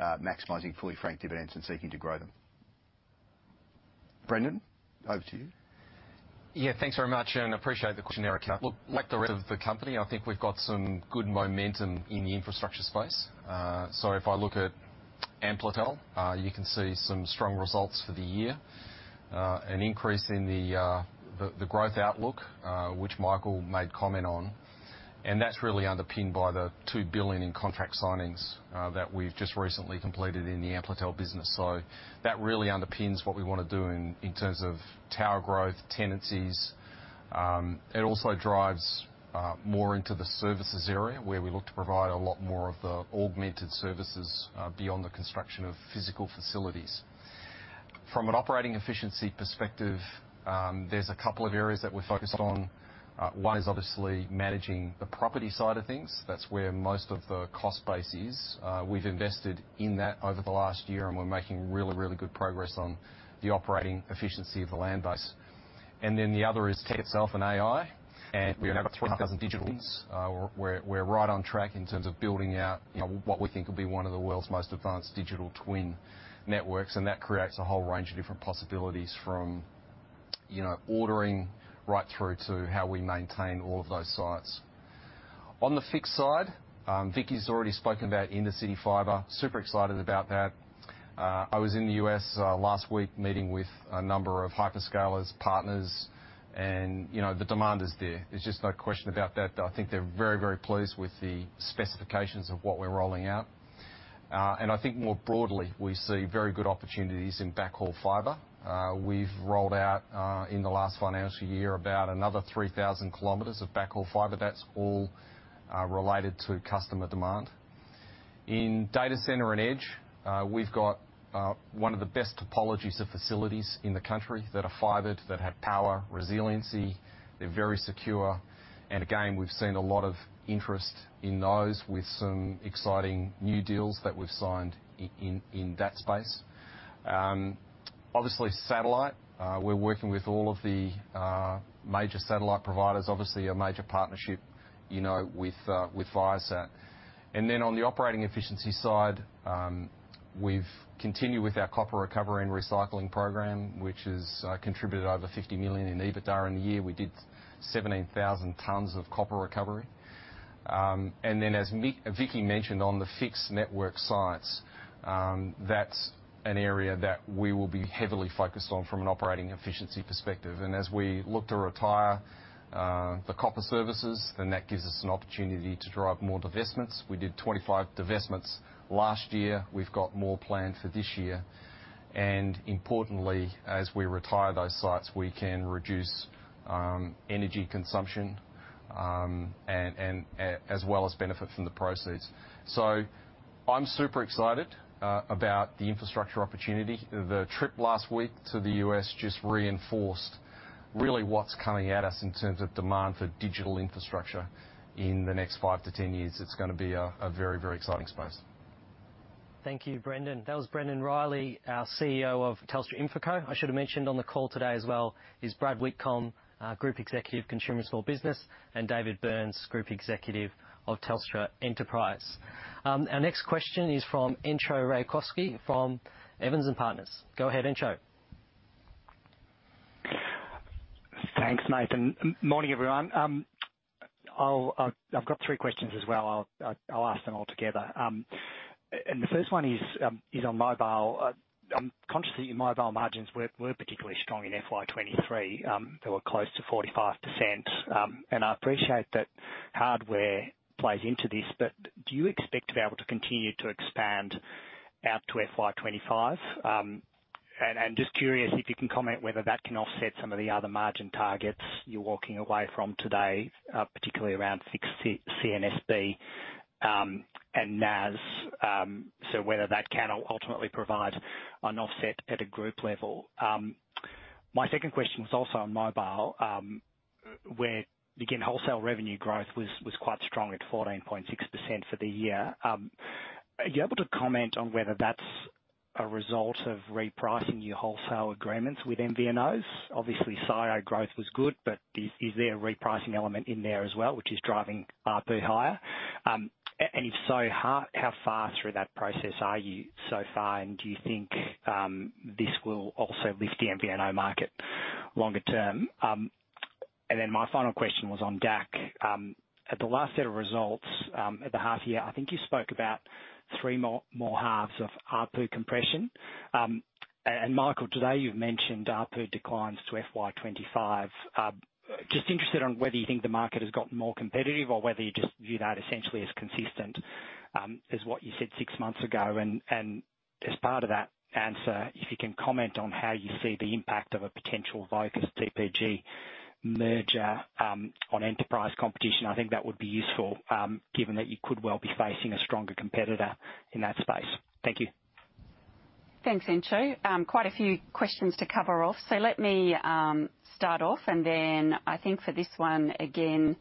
[SPEAKER 2] maximizing fully franked dividends and seeking to grow them. Brendon, over to you.
[SPEAKER 5] Yeah, thanks very much. Appreciate the question there, Eric. Look, like the rest of the company, I think we've got some good momentum in the infrastructure space. If I look at Amplitel, you can see some strong results for the year. An increase in the growth outlook, which Michael made comment on, and that's really underpinned by the 2 billion in contract signings that we've just recently completed in the Amplitel business. That really underpins what we want to do in terms of tower growth, tenancies. It also drives more into the services area, where we look to provide a lot more of the augmented services beyond the construction of physical facilities. From an operating efficiency perspective, there's a couple of areas that we're focused on. One is obviously managing the property side of things. That's where most of the cost base is. We've invested in that over the last year, and we're making really, really good progress on the operating efficiency of the land base. Then the other is tech itself and AI, and we have thousand digitals. We're, we're right on track in terms of building out, you know, what we think will be one of the world's most advanced digital twin networks, and that creates a whole range of different possibilities from, you know, ordering right through to how we maintain all of those sites. On the Fixed side, Vicki's already spoken about inner city fibre. Super excited about that. I was in the U.S. last week, meeting with a number of hyperscalers, partners, and, you know, the demand is there. There's just no question about that. I think they're very, very pleased with the specifications of what we're rolling out. I think more broadly, we see very good opportunities in backhaul fibre. We've rolled out in the last financial year, about another 3,000 km of backhaul fibre. That's all related to customer demand. In data center and edge, we've got one of the best topologies of facilities in the country that are fibreed, that have power, resiliency, they're very secure, and again, we've seen a lot of interest in those with some exciting new deals that we've signed in that space. Obviously, satellite, we're working with all of the major satellite providers, obviously a major partnership, you know, with Viasat. On the operating efficiency side, we've continued with our copper recovery and recycling program, which has contributed over 50 million in EBITDA in the year. We did 17,000 tons of copper recovery. As Vicki mentioned on the Fixed network sites, that's an area that we will be heavily focused on from an operating efficiency perspective. As we look to retire the copper services, then that gives us an opportunity to drive more divestments. We did 25 divestments last year. We've got more planned for this year, and importantly, as we retire those sites, we can reduce energy consumption, as well as benefit from the proceeds. I'm super excited about the infrastructure opportunity. The trip last week to the U.S. just reinforced really what's coming at us in terms of demand for digital infrastructure in the next five to 10 years. It's gonna be a very, very exciting space.
[SPEAKER 3] Thank you, Brendon. That was Brendon Riley, our CEO of Telstra InfraCo. I should have mentioned on the call today as well is Brad Whitcomb, our Group Executive, Consumer and Small Business, and David Burns, Group Executive of Telstra Enterprise. Our next question is from Entcho Raykovski, from Evans & Partners. Go ahead, Entcho.
[SPEAKER 6] Thanks, Nathan. Morning, everyone. I'll, I've got three questions as well. I'll ask them all together. The first one is on mobile. I'm conscious that your mobile margins were particularly strong in FY 2023. They were close to 45%. I appreciate that hardware plays into this, but do you expect to be able to continue to expand out to FY 2025? Just curious if you can comment whether that can offset some of the other margin targets you're walking away from today, particularly around Fixed CNSB and NAS, so whether that can ultimately provide an offset at a group level. My second question was also on mobile, where, again, wholesale revenue growth was quite strong at 14.6% for the year. Are you able to comment on whether that's a result of repricing your wholesale agreements with MVNOs? Obviously, SIO growth was good, but is there a repricing element in there as well, which is driving ARPU higher? If so, how far through that process are you so far, and do you think this will also lift the MVNO market longer term? Then my final question was on DAC. At the last set of results, at the half year, I think you spoke about 3 more halves of ARPU compression. Michael, today you've mentioned ARPU declines to FY 2025. Just interested on whether you think the market has gotten more competitive or whether you just view that essentially as consistent as what you said six months ago. As part of that answer, if you can comment on how you see the impact of a potential Vocus TPG Telecom merger on enterprise competition? I think that would be useful given that you could well be facing a stronger competitor in that space. Thank you.
[SPEAKER 1] Thanks, Entcho. Quite a few questions to cover off, so let me start off, and then I think for this one, again,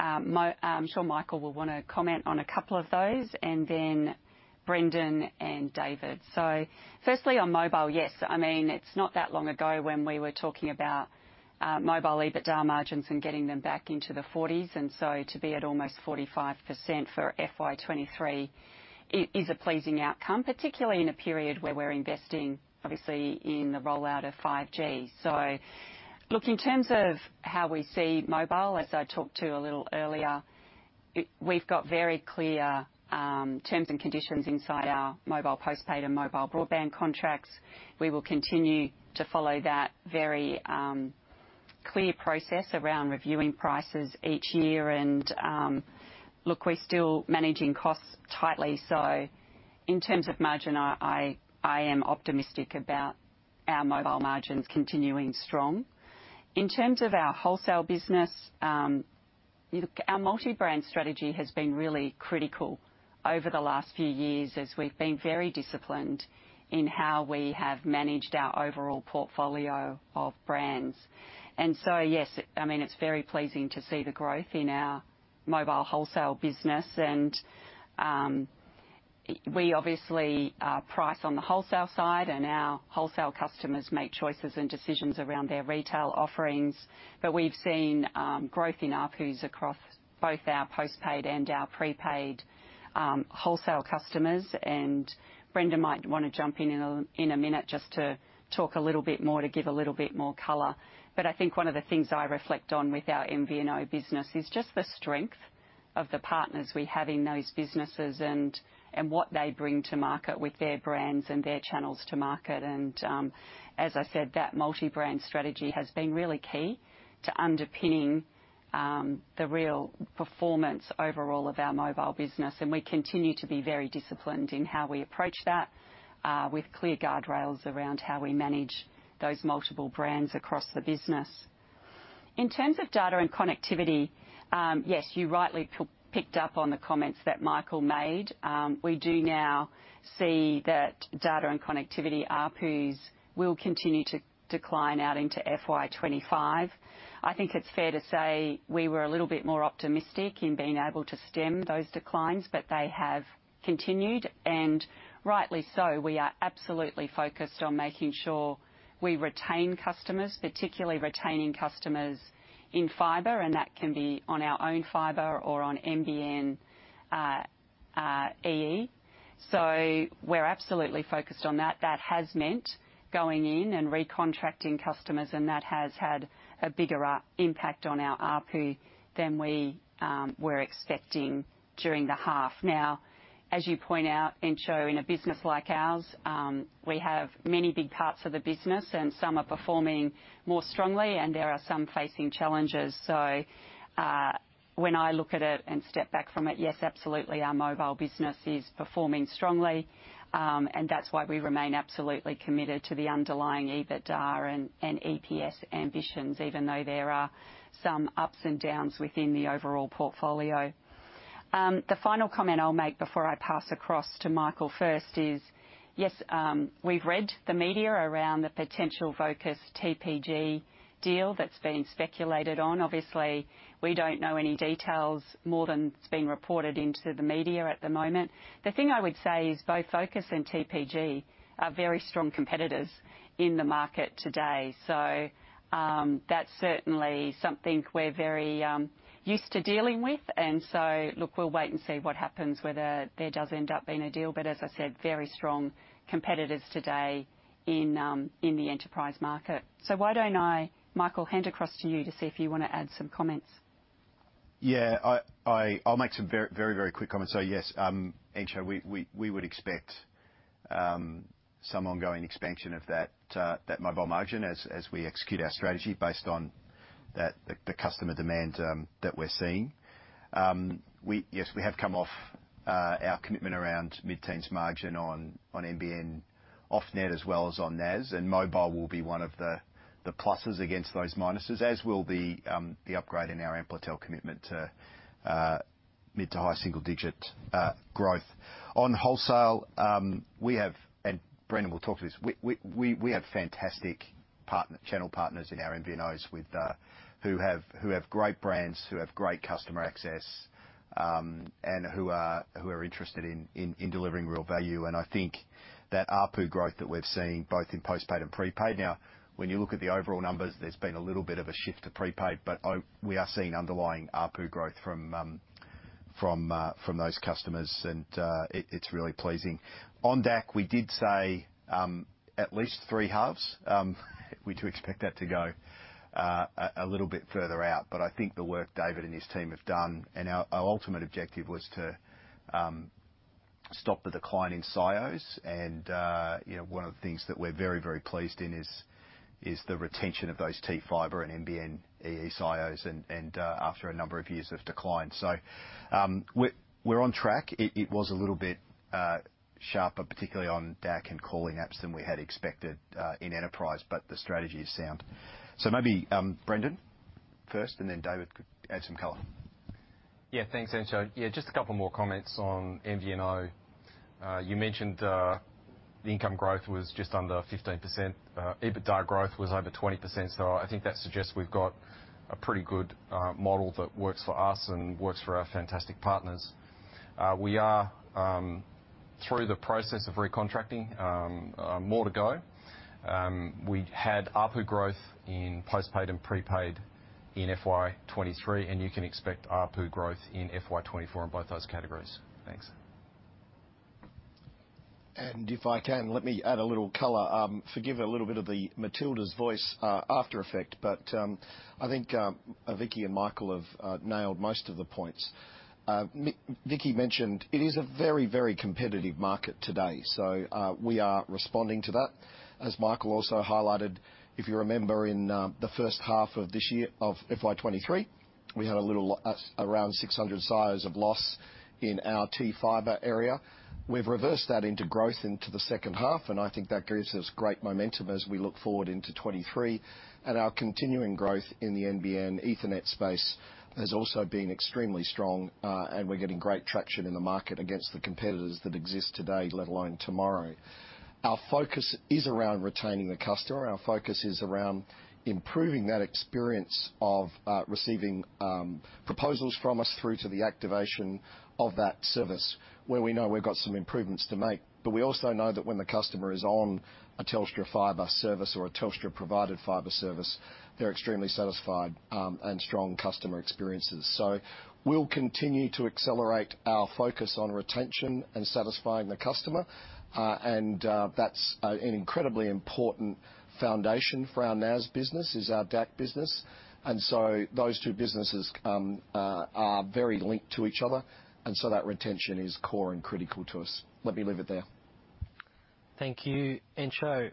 [SPEAKER 1] I'm sure Michael will want to comment on a couple of those, and then Brendon and David. Firstly, on mobile, yes. I mean, it's not that long ago when we were talking about mobile EBITDA margins and getting them back into the forties, and so to be at almost 45% for FY 2023, it is a pleasing outcome, particularly in a period where we're investing, obviously, in the rollout of 5G. Look, in terms of how we see mobile, as I talked to a little earlier, we've got very clear terms and conditions inside our mobile postpaid and mobile broadband contracts. We will continue to follow that very clear process around reviewing prices each year. Look, we're still managing costs tightly, so in terms of margin, I, am optimistic about our mobile margins continuing strong. In terms of our wholesale business, look, our multi-brand strategy has been really critical over the last few years, as we've been very disciplined in how we have managed our overall portfolio of brands. Yes, I mean, it's very pleasing to see the growth in our mobile wholesale business. We obviously price on the wholesale side, and our wholesale customers make choices and decisions around their retail offerings. We've seen growth in ARPUs across both our postpaid and our pre-paid wholesale customers, and Brendon might want to jump in in a, in a minute just to talk a little bit more, to give a little bit more color. I think one of the things I reflect on with our MVNO business is just the strength of the partners we have in those businesses and what they bring to market with their brands and their channels to market. As I said, that multi-brand strategy has been really key to underpinning the real performance overall of our mobile business, and we continue to be very disciplined in how we approach that, with clear guardrails around how we manage those multiple brands across the business. In terms of data and connectivity, yes, you rightly picked up on the comments that Michael made. We do now see that data and connectivity ARPUs will continue to decline out into FY 2025. I think it's fair to say we were a little bit more optimistic in being able to stem those declines, but they have continued, and rightly so. We are absolutely focused on making sure we retain customers, particularly retaining customers in Fibre, and that can be on our own Fibre or on NBN EE. We're absolutely focused on that. That has meant going in and recontracting customers, and that has had a bigger impact on our ARPU than we were expecting during the half. Now, as you point out, Entcho, in a business like ours, we have many big parts of the business, and some are performing more strongly, and there are some facing challenges. When I look at it and step back from it, yes, absolutely, our mobile business is performing strongly. That's why we remain absolutely committed to the underlying EBITDA and, and EPS ambitions, even though there are some ups and downs within the overall portfolio. The final comment I'll make before I pass across to Michael first is, yes, we've read the media around the potential Vocus-TPG deal that's been speculated on. Obviously, we don't know any details more than what's been reported into the media at the moment. The thing I would say is both Vocus and TPG are very strong competitors in the market today, so, that's certainly something we're very, used to dealing with. Look, we'll wait and see what happens, whether there does end up being a deal, but as I said, very strong competitors today in the enterprise market. Why don't I, Michael, hand across to you to see if you want to add some comments?
[SPEAKER 2] Yeah. I'll make some very, very, very quick comments. Yes, Entcho, we would expect some ongoing expansion of that mobile margin as we execute our strategy based on that, the customer demand that we're seeing. Yes, we have come off our commitment around mid-teens margin on NBN off-net as well as on NAS, and mobile will be one of the pluses against those minuses, as will the upgrade in our Amplitel commitment to mid-to-high single digit growth. On wholesale, we have, and Brendon will talk to this, we have fantastic partner, channel partners in our MVNOs with who have great brands, who have great customer access, and who are interested in delivering real value. I think that ARPU growth that we've seen both in postpaid and prepaid. When you look at the overall numbers, there's been a little bit of a shift to prepaid, but we are seeing underlying ARPU growth from from from those customers, and it's really pleasing. On DAC, we did say at least three halves. We do expect that to go a little bit further out. I think the work David and his team have done and our, our ultimate objective was to stop the decline in SIOs. You know, one of the things that we're very, very pleased in is, is the retention of those T-Fibre and NBN EE SIOs and, and after a number of years of decline. We're on track. It, it was a little bit sharper, particularly on DAC and calling apps, than we had expected in Enterprise. The strategy is sound. Maybe Brendon first, and then David could add some color.
[SPEAKER 5] Yeah, thanks, Entcho. Just a couple more comments on MVNO. You mentioned, the income growth was just under 15%. EBITDA growth was over 20%, so I think that suggests we've got a pretty good model that works for us and works for our fantastic partners. We are through the process of recontracting, more to go. We had ARPU growth in postpaid and prepaid in FY 2023, and you can expect ARPU growth in FY 2024 in both those categories. Thanks.
[SPEAKER 7] If I can, let me add a little color. Forgive a little bit of the Matildas voice aftereffect, but I think Vicki and Michael have nailed most of the points. Vicki mentioned it is a very, very competitive market today, so we are responding to that. As Michael also highlighted, if you remember in the first half of this year, of FY 2023, we had a little around 600 size of loss in our T-Fibre area. We've reversed that into growth into the second half, and I think that gives us great momentum as we look forward into 2023. Our continuing growth in the NBN Ethernet space has also been extremely strong, and we're getting great traction in the market against the competitors that exist today, let alone tomorrow. Our focus is around retaining the customer. Our focus is around improving that experience of receiving proposals from us through to the activation of that service, where we know we've got some improvements to make. We also know that when the customer is on a Telstra Fibre service or a Telstra-provided Fibre service, they're extremely satisfied and strong customer experiences. We'll continue to accelerate our focus on retention and satisfying the customer. That's an incredibly important foundation for our NAS business, is our DAC business. Those two businesses are very linked to each other, and so that retention is core and critical to us. Let me leave it there.
[SPEAKER 3] Thank you, Entcho.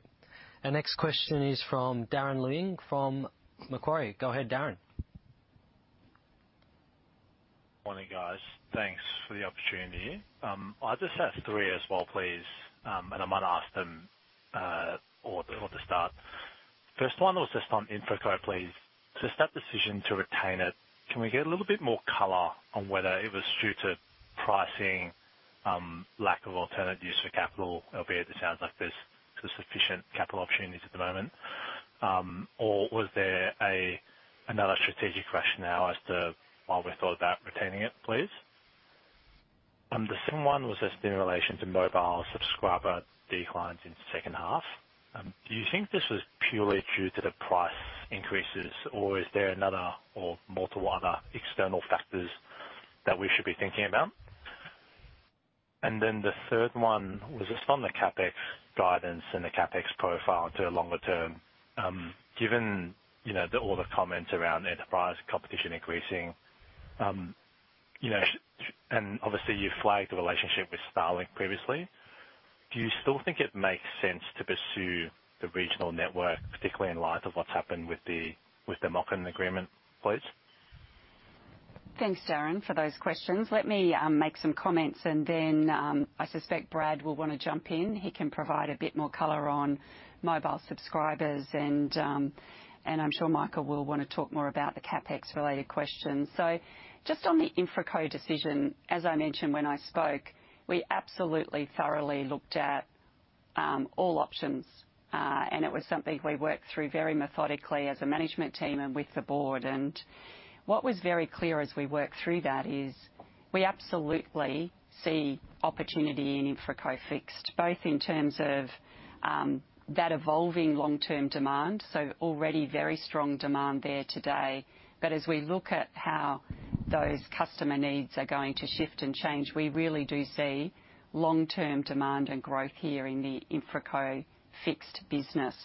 [SPEAKER 3] Our next question is from Darren Leung from Macquarie. Go ahead, Darren.
[SPEAKER 8] Morning, guys. Thanks for the opportunity. I'll just ask three as well, please. I might ask them all before the start. First one was just on InfraCo, please. Just that decision to retain it, can we get a little bit more color on whether it was due to pricing, lack of alternative use for capital, albeit it sounds like there's sufficient capital opportunities at the moment. Was there another strategic rationale as to why we thought about retaining it, please? The second one was just in relation to mobile subscriber declines in the second half. Do you think this was purely due to the price increases, or is there another or multiple other external factors that we should be thinking about? The third one was just on the CapEx guidance and the CapEx profile into the longer term. Given, you know, the, all the comments around enterprise competition increasing, you know, and obviously, you flagged the relationship with Starlink previously, do you still think it makes sense to pursue the regional network, particularly in light of what's happened with the, with the MOCN Agreement, please?
[SPEAKER 1] Thanks, Darren, for those questions. Let me make some comments, and then I suspect Brad will want to jump in. He can provide a bit more color on mobile subscribers, and I'm sure Michael will want to talk more about the CapEx-related questions. Just on the InfraCo decision, as I mentioned when I spoke, we absolutely thoroughly looked at all options, and it was something we worked through very methodically as a management team and with the board. What was very clear as we worked through that is we absolutely see opportunity in InfraCo Fixed, both in terms of that evolving long-term demand, so already very strong demand there today. As we look at how those customer needs are going to shift and change, we really do see long-term demand and growth here in the InfraCo Fixed business.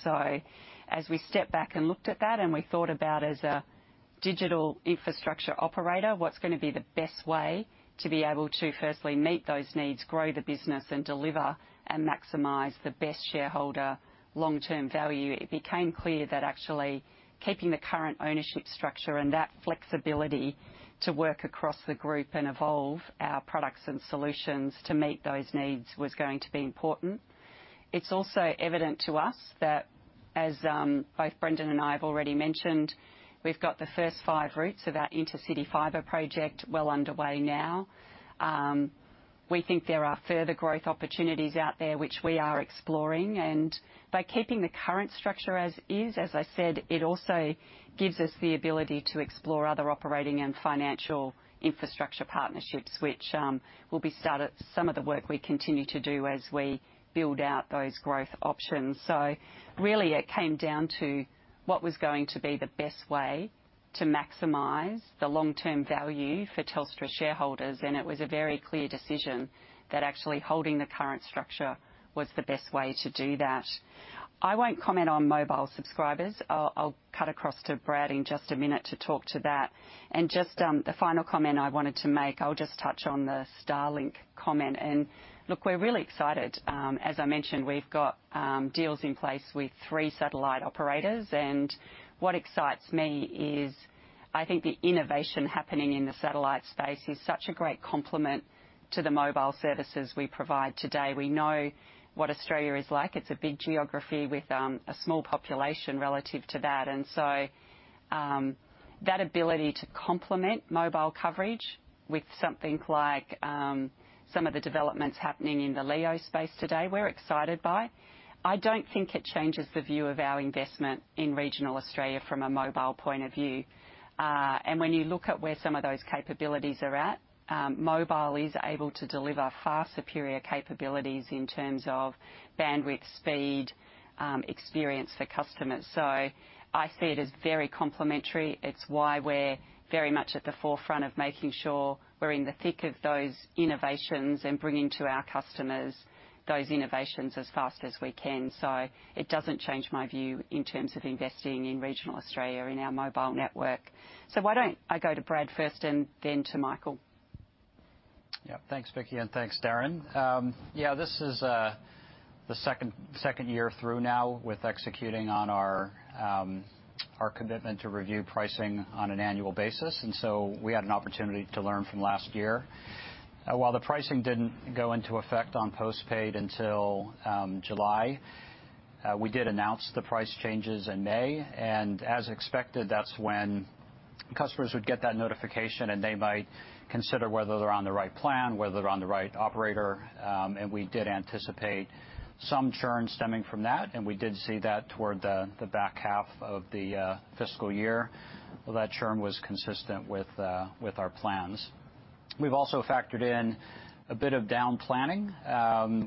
[SPEAKER 1] As we stepped back and looked at that, and we thought about, as a digital infrastructure operator, what's going to be the best way to be able to firstly meet those needs, grow the business, and deliver and maximize the best shareholder long-term value, it became clear that actually keeping the current ownership structure and that flexibility to work across the group and evolve our products and solutions to meet those needs was going to be important. It's also evident to us that, as both Brendon and I have already mentioned, we've got the first five routes of our intercity fibre project well underway now. We think there are further growth opportunities out there, which we are exploring. By keeping the current structure as is, as I said, it also gives us the ability to explore other operating and financial infrastructure partnerships, which will be some of the work we continue to do as we build out those growth options. Really, it came down to what was going to be the best way to maximize the long-term value for Telstra shareholders, and it was a very clear decision that actually holding the current structure was the best way to do that. I won't comment on mobile subscribers. I'll, I'll cut across to Brad in just a minute to talk to that. Just, the final comment I wanted to make, I'll just touch on the Starlink comment. Look, we're really excited. As I mentioned, we've got deals in place with three satellite operators. What excites me is, I think the innovation happening in the satellite space is such a great complement to the mobile services we provide today. We know what Australia is like. It's a big geography with a small population relative to that. So-... that ability to complement mobile coverage with something like some of the developments happening in the LEO space today, we're excited by. I don't think it changes the view of our investment in regional Australia from a mobile point of view. When you look at where some of those capabilities are at, mobile is able to deliver far superior capabilities in terms of bandwidth, speed, experience for customers. So I see it as very complementary. It's why we're very much at the forefront of making sure we're in the thick of those innovations and bringing to our customers those innovations as fast as we can. It doesn't change my view in terms of investing in regional Australia in our mobile network. Why don't I go to Brad first and then to Michael?
[SPEAKER 9] Yeah. Thanks, Vicki, and thanks, Darren. Yeah, this is the second year through now with executing on our commitment to review pricing on an annual basis, and so we had an opportunity to learn from last year. While the pricing didn't go into effect on postpaid until July, we did announce the price changes in May, and as expected, that's when customers would get that notification, and they might consider whether they're on the right plan, whether they're on the right operator. We did anticipate some churn stemming from that, and we did see that toward the, the back half of the fiscal year. Well, that churn was consistent with our plans. We've also factored in a bit of down planning,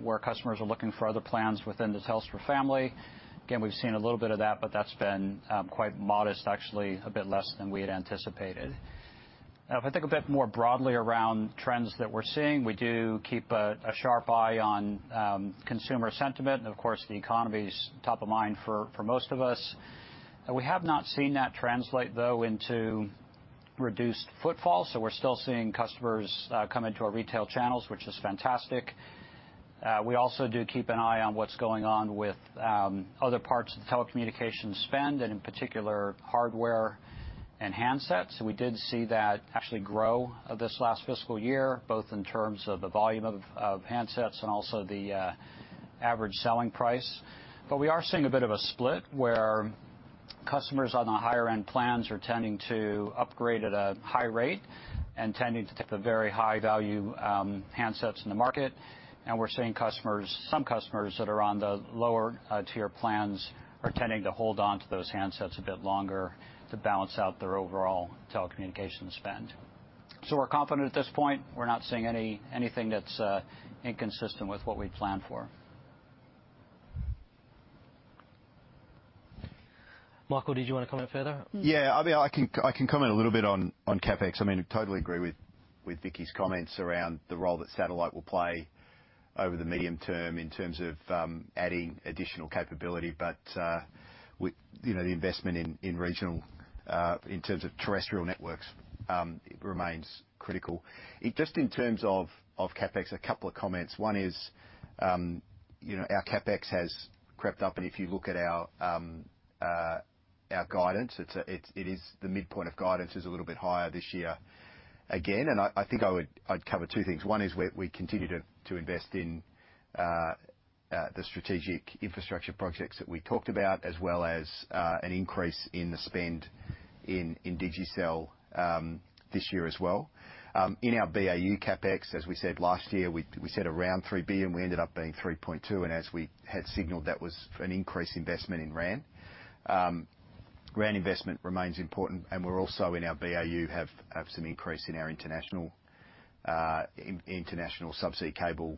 [SPEAKER 9] where customers are looking for other plans within the Telstra family. Again, we've seen a little bit of that, but that's been quite modest, actually, a bit less than we had anticipated. Now, if I think a bit more broadly around trends that we're seeing, we do keep a sharp eye on consumer sentiment. Of course, the economy's top of mind for most of us. We have not seen that translate, though, into reduced footfall, so we're still seeing customers come into our retail channels, which is fantastic. We also do keep an eye on what's going on with other parts of the telecommunications spend, and in particular, hardware and handsets. We did see that actually grow this last fiscal year, both in terms of the volume of handsets and also the average selling price. We are seeing a bit of a split, where customers on the higher-end plans are tending to upgrade at a high rate and tending to take the very high-value handsets in the market. We're seeing customers, some customers that are on the lower-tier plans are tending to hold on to those handsets a bit longer to balance out their overall telecommunications spend. We're confident at this point. We're not seeing anything that's inconsistent with what we'd planned for.
[SPEAKER 3] Michael, did you want to comment further?
[SPEAKER 2] Yeah. I mean, I can, I can comment a little bit on, on CapEx. I mean, I totally agree with, with Vicki's comments around the role that satellite will play over the medium term in terms of adding additional capability. You know, the investment in regional, in terms of terrestrial networks, remains critical. It just in terms of CapEx, a couple of comments. One is, you know, our CapEx has crept up, and if you look at our, our guidance, it's, it is the midpoint of guidance is a little bit higher this year again. I, I think I'd cover two things. One is we continue to invest in the strategic infrastructure projects that we talked about, as well as an increase in the spend in Digicel this year as well. In our BAU CapEx, as we said last year, we said around 3 billion, and we ended up being 3.2 billion, and as we had signaled, that was for an increased investment in R&D. R&D investment remains important, and we're also in our BAU, have some increase in our international subsea cable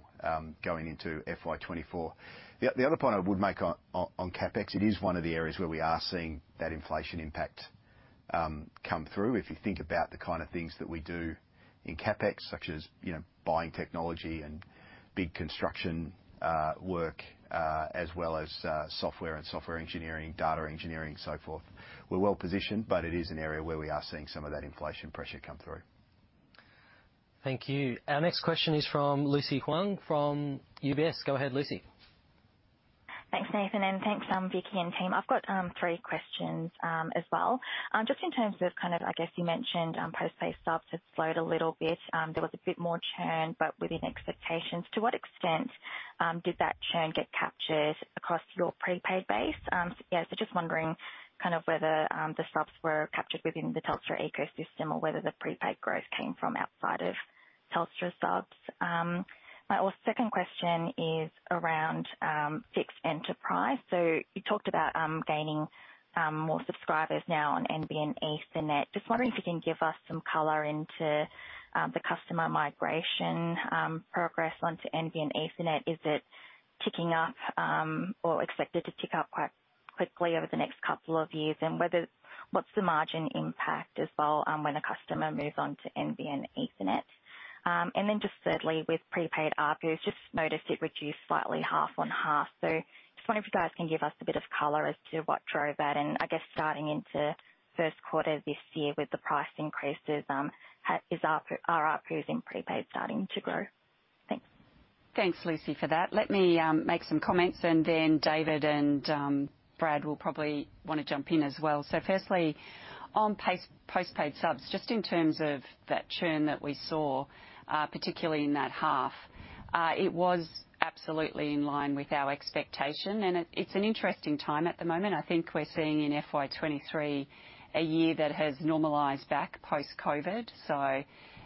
[SPEAKER 2] going into FY 2024. The other point I would make on CapEx, it is one of the areas where we are seeing that inflation impact come through. If you think about the kind of things that we do in CapEx, such as, you know, buying technology and big construction, work, as well as, software and software engineering, data engineering, so forth, we're well positioned, but it is an area where we are seeing some of that inflation pressure come through.
[SPEAKER 3] Thank you. Our next question is from Lucy Huang from UBS. Go ahead, Lucy.
[SPEAKER 10] Thanks, Nathan, thanks, Vicki and team. I've got three questions as well. Just in terms of kind of, I guess, you mentioned, postpaid subs have slowed a little bit. There was a bit more churn, but within expectations. To what extent did that churn get captured across your prepaid base? Just wondering kind of whether the subs were captured within the Telstra ecosystem or whether the prepaid growth came from outside of Telstra subs. Second question is around Fixed Enterprise. You talked about gaining more subscribers now on NBN Enterprise Ethernet. Just wondering if you can give us some color into the customer migration progress onto NBN Enterprise Ethernet. Is it ticking up or expected to tick up quite quickly over the next couple of years? What's the margin impact as well, when a customer moves on to NBN Ethernet? Just thirdly, with prepaid ARPU, just noticed it reduced slightly half-on-half. Just wonder if you guys can give us a bit of color as to what drove that. I guess starting into first quarter this year, with the price increases, is ARPU- are ARPUs in prepaid starting to grow?
[SPEAKER 1] Thanks, Lucy, for that. Let me make some comments and then David and Brad will probably want to jump in as well. Firstly, on postpaid subs, just in terms of that churn that we saw, particularly in that half, it was absolutely in line with our expectation, and it, it's an interesting time at the moment. I think we're seeing in FY 2023, a year that has normalized back post-COVID.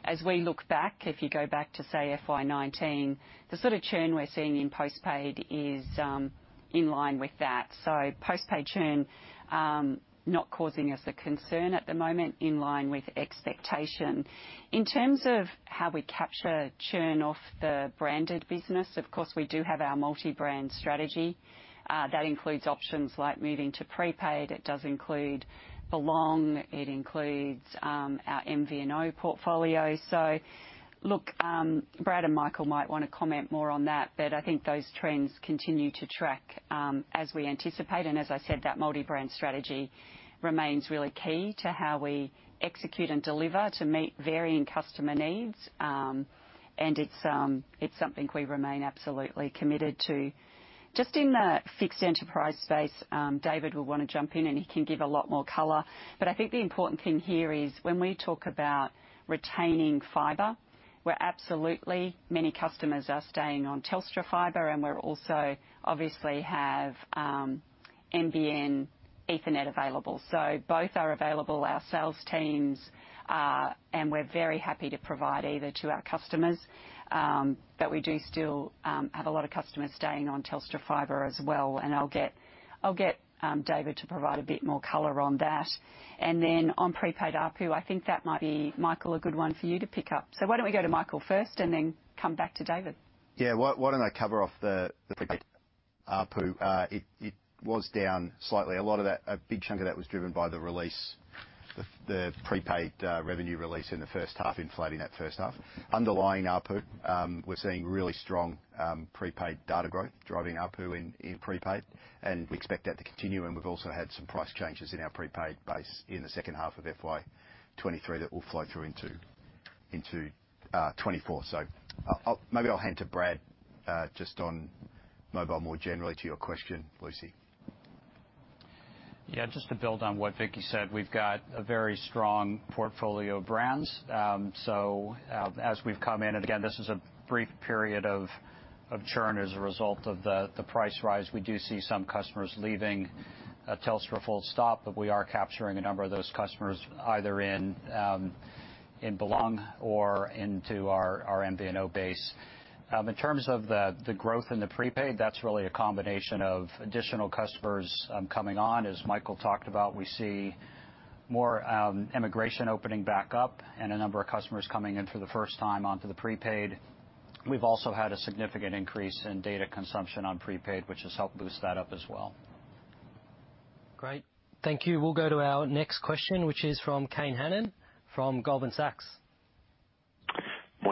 [SPEAKER 1] As we look back, if you go back to, say, FY 2019, the sort of churn we're seeing in postpaid is in line with that. Postpaid churn, not causing us a concern at the moment, in line with expectation. In terms of how we capture churn off the branded business, of course, we do have our multi-brand strategy. That includes options like moving to prepaid, it does include Belong, it includes our MVNO portfolio. Look, Brad and Michael might want to comment more on that, I think those trends continue to track as we anticipate, and as I said, that multi-brand strategy remains really key to how we execute and deliver to meet varying customer needs. And it's something we remain absolutely committed to. Just in the Fixed Enterprise space, David will want to jump in, and he can give a lot more color. I think the important thing here is when we talk about retaining fibre, where absolutely many customers are staying on Telstra Fibre, and we're also obviously have NBN Ethernet available. Both are available, our sales teams, and we're very happy to provide either to our customers. We do still have a lot of customers staying on Telstra Fibre as well, and I'll get, I'll get David to provide a bit more color on that. Then on prepaid ARPU, I think that might be, Michael, a good one for you to pick up. Why don't we go to Michael first and then come back to David?
[SPEAKER 2] Yeah. Why, why don't I cover off the, the ARPU? It, it was down slightly. A lot of that, a big chunk of that was driven by the release, the, the prepaid revenue release in the first half, inflating that first half. Underlying ARPU, we're seeing really strong prepaid data growth driving ARPU in, in prepaid, and we expect that to continue. We've also had some price changes in our prepaid base in the second half of FY 2023 that will flow through into, into 2024. I'll, I'll maybe I'll hand to Brad just on mobile, more generally to your question, Lucy.
[SPEAKER 9] Yeah, just to build on what Vicki said, we've got a very strong portfolio of brands. As we've come in, and again, this is a brief period of, of churn as a result of the, the price rise. We do see some customers leaving, Telstra. But we are capturing a number of those customers either in, in Belong or into our, our MVNO base. In terms of the, the growth in the prepaid, that's really a combination of additional customers, coming on. As Michael talked about, we see more, immigration opening back up and a number of customers coming in for the first time onto the prepaid. We've also had a significant increase in data consumption on prepaid, which has helped boost that up as well.
[SPEAKER 3] Great. Thank you. We'll go to our next question, which is from Kane Hannan, from Goldman Sachs.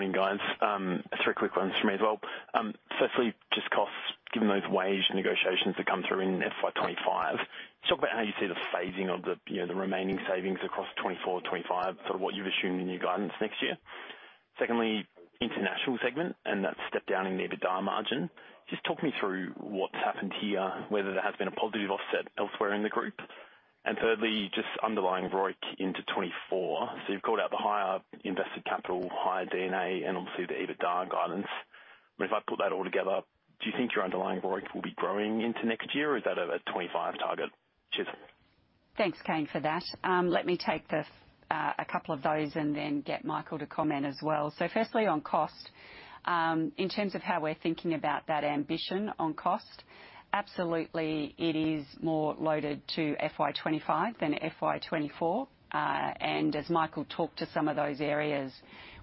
[SPEAKER 11] Morning, guys. Three quick ones from me as well. Firstly, just costs, given those wage negotiations that come through in FY 2025, just talk about how you see the phasing of the, you know, the remaining savings across 2024, 2025, sort of what you've assumed in your guidance next year. Secondly, international segment, that step down in EBITDA margin. Just talk me through what's happened here, whether there has been a positive offset elsewhere in the group. Thirdly, just underlying ROIC into 2024. You've called out the higher invested capital, higher D&A, and obviously the EBITDA guidance. If I put that all together, do you think your underlying ROIC will be growing into next year, or is that a 2025 target? Cheers.
[SPEAKER 1] Thanks, Kane, for that. Let me take a couple of those and then get Michael to comment as well. Firstly, on cost, in terms of how we're thinking about that ambition on cost, absolutely, it is more loaded to FY 2025 than FY 2024. As Michael talked to some of those areas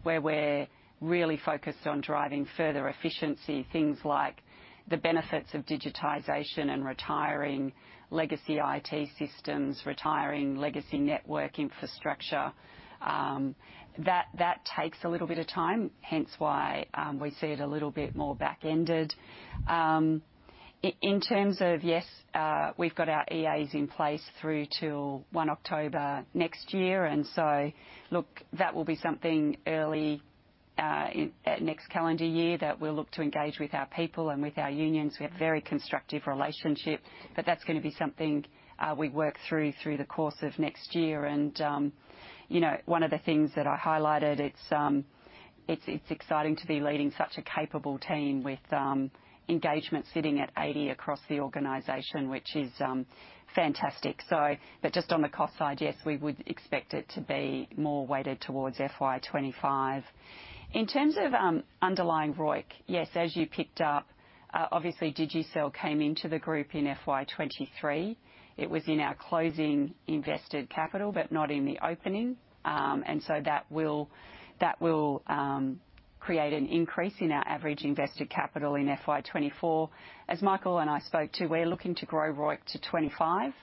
[SPEAKER 1] where we're really focused on driving further efficiency, things like the benefits of digitization and retiring legacy IT systems, retiring legacy network infrastructure, that, that takes a little bit of time, hence why we see it a little bit more back-ended. In terms of yes, we've got our EAs in place through till 1 October next year, look, that will be something early next calendar year that we'll look to engage with our people and with our unions. We have a very constructive relationship, but that's going to be something we work through through the course of next year. You know, one of the things that I highlighted, it's, it's, it's exciting to be leading such a capable team with engagement sitting at 80 across the organization, which is fantastic. Just on the cost side, yes, we would expect it to be more weighted towards FY 2025. In terms of underlying ROIC, yes, as you picked up, obviously Digicel came into the group in FY 2023. It was in our closing invested capital, but not in the opening. That will, that will, create an increase in our average invested capital in FY 2024. As Michael and I spoke to, we're looking to grow ROIC to 25%.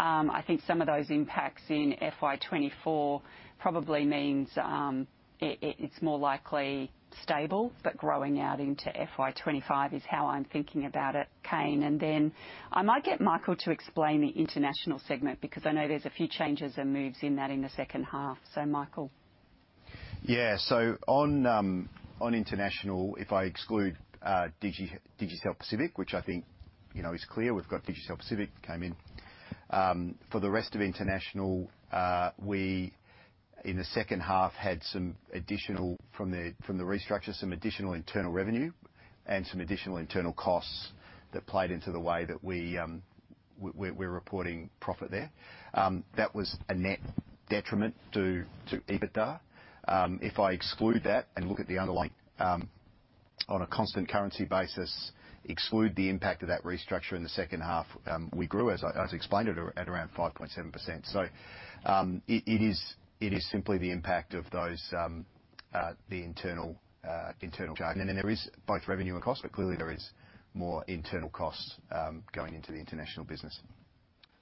[SPEAKER 1] I think some of those impacts in FY 2024 probably means it, it, it's more likely stable but growing out into FY 2025 is how I'm thinking about it, Kane. Then I might get Michael to explain the international segment, because I know there's a few changes and moves in that in the second half. Michael?
[SPEAKER 2] Yeah, so on international, if I exclude Digicel Pacific, which I think, you know, is clear, we've got Digicel Pacific came in. For the rest of international, we, in the second half, had some additional from the restructure, some additional internal revenue and some additional internal costs that played into the way that we're reporting profit there. That was a net detriment to EBITDA. If I exclude that and look at the underlying, on a constant currency basis, exclude the impact of that restructure in the second half, we grew, as explained, at around 5.7%. It is simply the impact of those, the internal internal charge. There is both revenue and cost, but clearly there is more internal costs, going into the international business.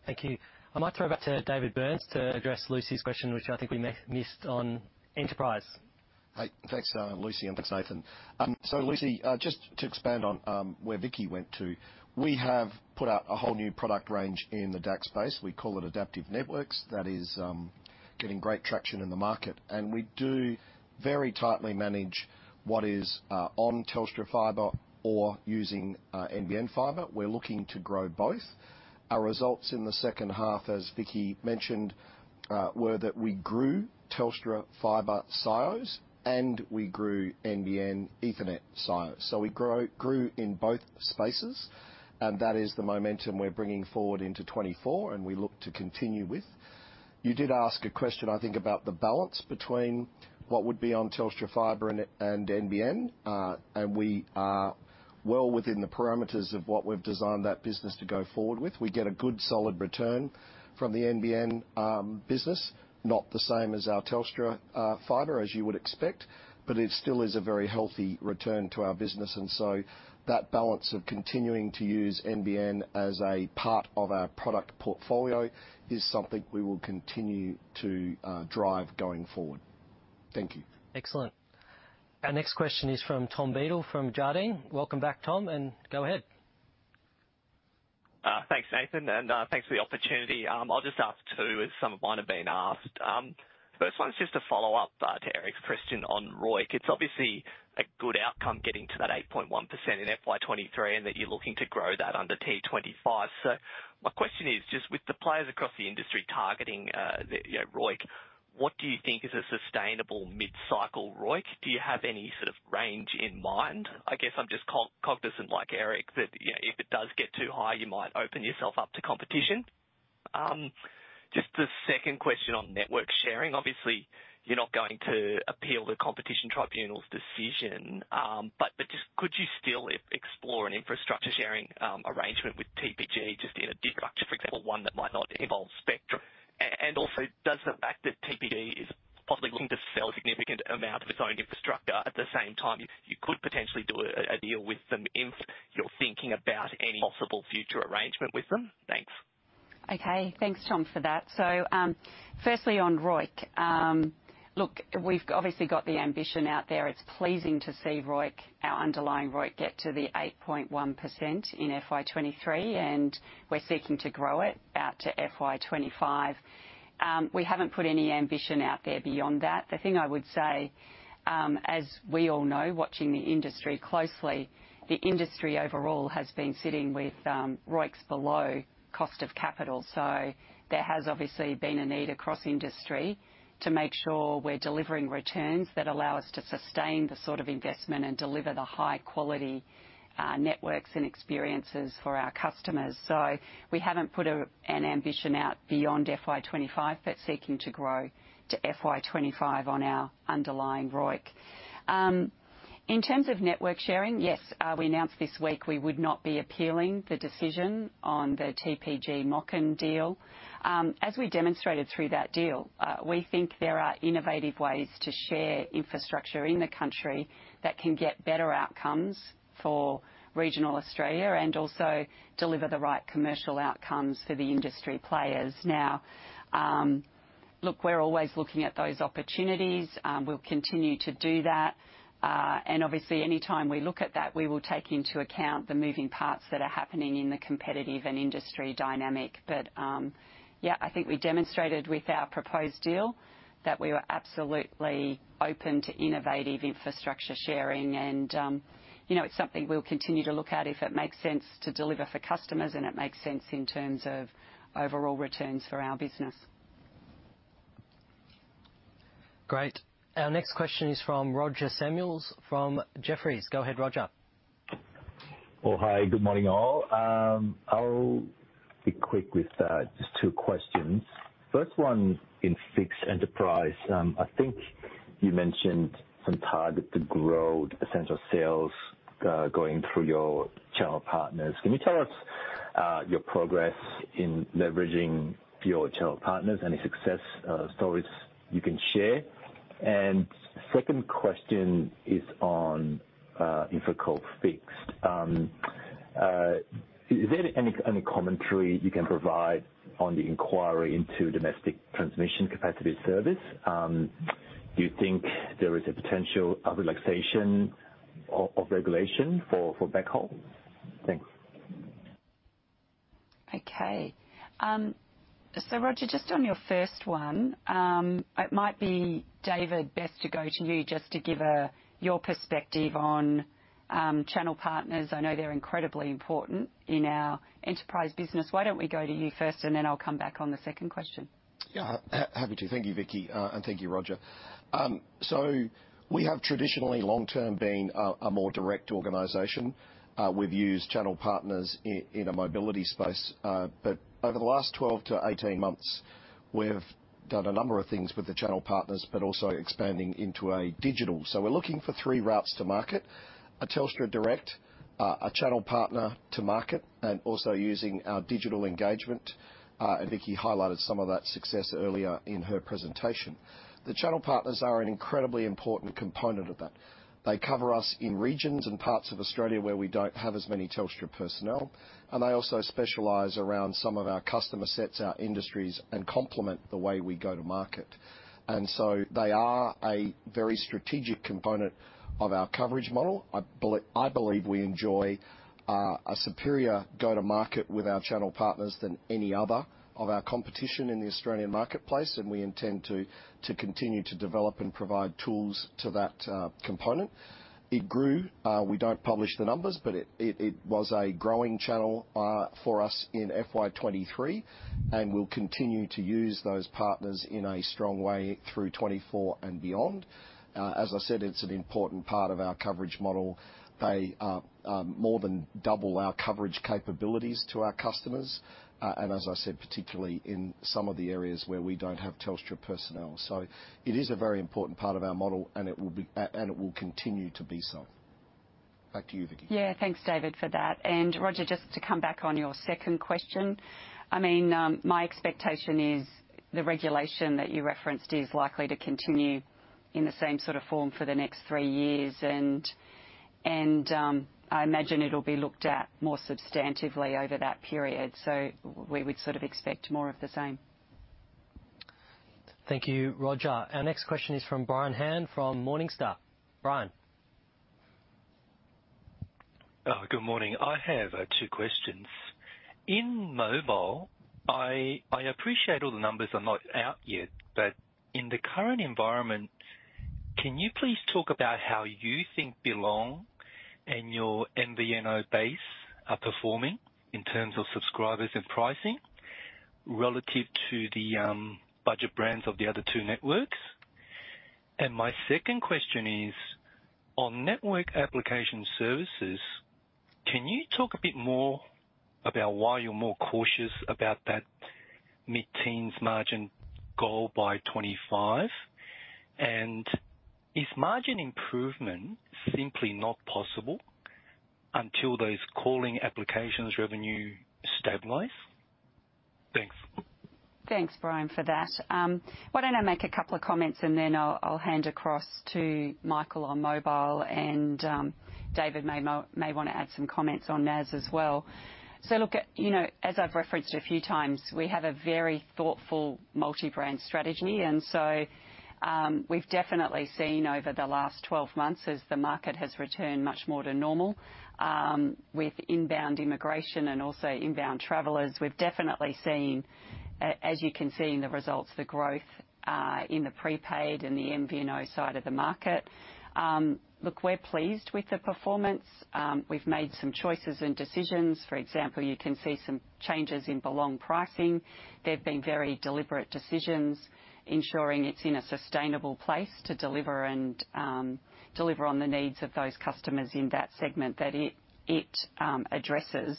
[SPEAKER 3] Thank you. I might throw back to David Burns to address Lucy's question, which I think we missed on Enterprise.
[SPEAKER 7] Hey, thanks, Lucy, and thanks, Nathan. Lucy, just to expand on where Vicki went to, we have put out a whole new product range in the DAC space. We call it Telstra Adaptive Networks. That is getting great traction in the market, and we do very tightly manage what is on Telstra Fibre or using NBN Fibre. We're looking to grow both. Our results in the second half, as Vicki mentioned, were that we grew Telstra Fibre SIOS, and we grew NBN Enterprise Ethernet SIOS. We grow, grew in both spaces, and that is the momentum we're bringing forward into 2024, and we look to continue with. You did ask a question, I think, about the balance between what would be on Telstra Fibre and NBN. We are well within the parameters of what we've designed that business to go forward with. We get a good, solid return from the NBN business, not the same as our Telstra Fibre, as you would expect, but it still is a very healthy return to our business. That balance of continuing to use NBN as a part of our product portfolio is something we will continue to drive going forward. Thank you.
[SPEAKER 3] Excellent. Our next question is from Tom Beadle, from Jarden. Welcome back, Tom, and go ahead.
[SPEAKER 12] Thanks, Nathan, thanks for the opportunity. I'll just ask two, as some of mine have been asked. First one is just a follow-up to Eric's question on ROIC. It's obviously a good outcome getting to that 8.1% in FY 2023, and that you're looking to grow that under T25. My question is, just with the players across the industry targeting, the, you know, ROIC, what do you think is a sustainable mid-cycle ROIC? Do you have any sort of range in mind? I guess I'm just cognizant, like Eric, that, you know, if it does get too high, you might open yourself up to competition. Just a second question on network sharing. Obviously, you're not going to appeal the Competition Tribunal's decision. Just could you still explore an infrastructure sharing arrangement with TPG, just in a different structure, for example, one that might not involve spectrum? Also, does the fact that TPG is possibly looking to sell a significant amount of its own infrastructure at the same time, you could potentially do a deal with them if you're thinking about any possible future arrangement with them? Thanks.
[SPEAKER 1] Okay. Thanks, Tom, for that. Firstly on ROIC. Look, we've obviously got the ambition out there. It's pleasing to see ROIC, our underlying ROIC, get to the 8.1% in FY 2023, and we're seeking to grow it out to FY 2025. We haven't put any ambition out there beyond that. The thing I would say, as we all know, watching the industry closely, the industry overall has been sitting with ROICs below cost of capital. There has obviously been a need across industry to make sure we're delivering returns that allow us to sustain the sort of investment and deliver the high quality networks and experiences for our customers. We haven't put a, an ambition out beyond FY 2025, but seeking to grow to FY 2025 on our underlying ROIC. In terms of network sharing, yes, we announced this week we would not be appealing the decision on the TPG MOCN deal. As we demonstrated through that deal, we think there are innovative ways to share infrastructure in the country that can get better outcomes for regional Australia and also deliver the right commercial outcomes for the industry players. Now, look, we're always looking at those opportunities. We'll continue to do that. Obviously, anytime we look at that, we will take into account the moving parts that are happening in the competitive and industry dynamic. Yeah, I think we demonstrated with our proposed deal that we were absolutely open to innovative infrastructure sharing. You know, it's something we'll continue to look at if it makes sense to deliver for customers, and it makes sense in terms of overall returns for our business.
[SPEAKER 3] Great. Our next question is from Roger Samuel, from Jefferies. Go ahead, Roger.
[SPEAKER 13] Well, hi, good morning, all. I'll be quick with just two questions. First one, in Telstra Enterprise, I think you mentioned some target to grow essential sales, going through your channel partners. Can you tell us your progress in leveraging your channel partners? Any success stories you can share? Second question is on InfraCo Fixed. Is there any commentary you can provide on the inquiry into Domestic Transmission Capacity Service? Do you think there is a potential of relaxation of regulation for backhaul? Thanks....
[SPEAKER 1] Okay. Roger, just on your first one, it might be, David, best to go to you just to give your perspective on channel partners. I know they're incredibly important in our enterprise business. Why don't we go to you first, and then I'll come back on the second question?
[SPEAKER 7] Yeah, ha-ha-happy to. Thank you, Vicki, and thank you, Roger. We have traditionally, long-term, been a more direct organization. We've used channel partners in a mobility space, but over the last 12 to 18 months, we've done a number of things with the channel partners, but also expanding into a digital. We're looking for 3 routes to market: a Telstra direct, a channel partner to market, and also using our digital engagement. Vicki highlighted some of that success earlier in her presentation. The channel partners are an incredibly important component of that. They cover us in regions and parts of Australia where we don't have as many Telstra personnel, and they also specialize around some of our customer sets, our industries, and complement the way we go to market. They are a very strategic component of our coverage model. I believe we enjoy a superior go-to-market with our channel partners than any other of our competition in the Australian marketplace, and we intend to continue to develop and provide tools to that component. It grew. We don't publish the numbers, but it was a growing channel for us in FY 2023, and we'll continue to use those partners in a strong way through 2024 and beyond. As I said, it's an important part of our coverage model. They more than double our coverage capabilities to our customers, and as I said, particularly in some of the areas where we don't have Telstra personnel. It is a very important part of our model, and it will be and it will continue to be so. Back to you, Vicki.
[SPEAKER 1] Yeah, thanks, David, for that. Roger, just to come back on your second question, I mean, my expectation is the regulation that you referenced is likely to continue in the same sort of form for the next three years. I imagine it'll be looked at more substantively over that period, so we would sort of expect more of the same.
[SPEAKER 3] Thank you, Roger. Our next question is from Brian Han from Morningstar. Brian?
[SPEAKER 14] Good morning. I have two questions. In mobile, I, I appreciate all the numbers are not out yet, but in the current environment, can you please talk about how you think Belong and your MVNO base are performing in terms of subscribers and pricing relative to the budget brands of the other 2 networks? My second question is, on Network Applications and Services, can you talk a bit more about why you're more cautious about that mid-teens margin goal by 2025? Is margin improvement simply not possible until those calling applications revenue stabilize? Thanks.
[SPEAKER 1] Thanks, Brian, for that. Why don't I make a couple of comments, and then I'll, I'll hand across to Michael on mobile, and David may want to add some comments on NAS as well. Look, you know, as I've referenced a few times, we have a very thoughtful multi-brand strategy. We've definitely seen over the last 12 months, as the market has returned much more to normal, with inbound immigration and also inbound travelers, we've definitely seen, as you can see in the results, the growth, in the prepaid and the MVNO side of the market. Look, we're pleased with the performance. We've made some choices and decisions. For example, you can see some changes in Belong pricing. They've been very deliberate decisions, ensuring it's in a sustainable place to deliver and deliver on the needs of those customers in that segment that it, it addresses.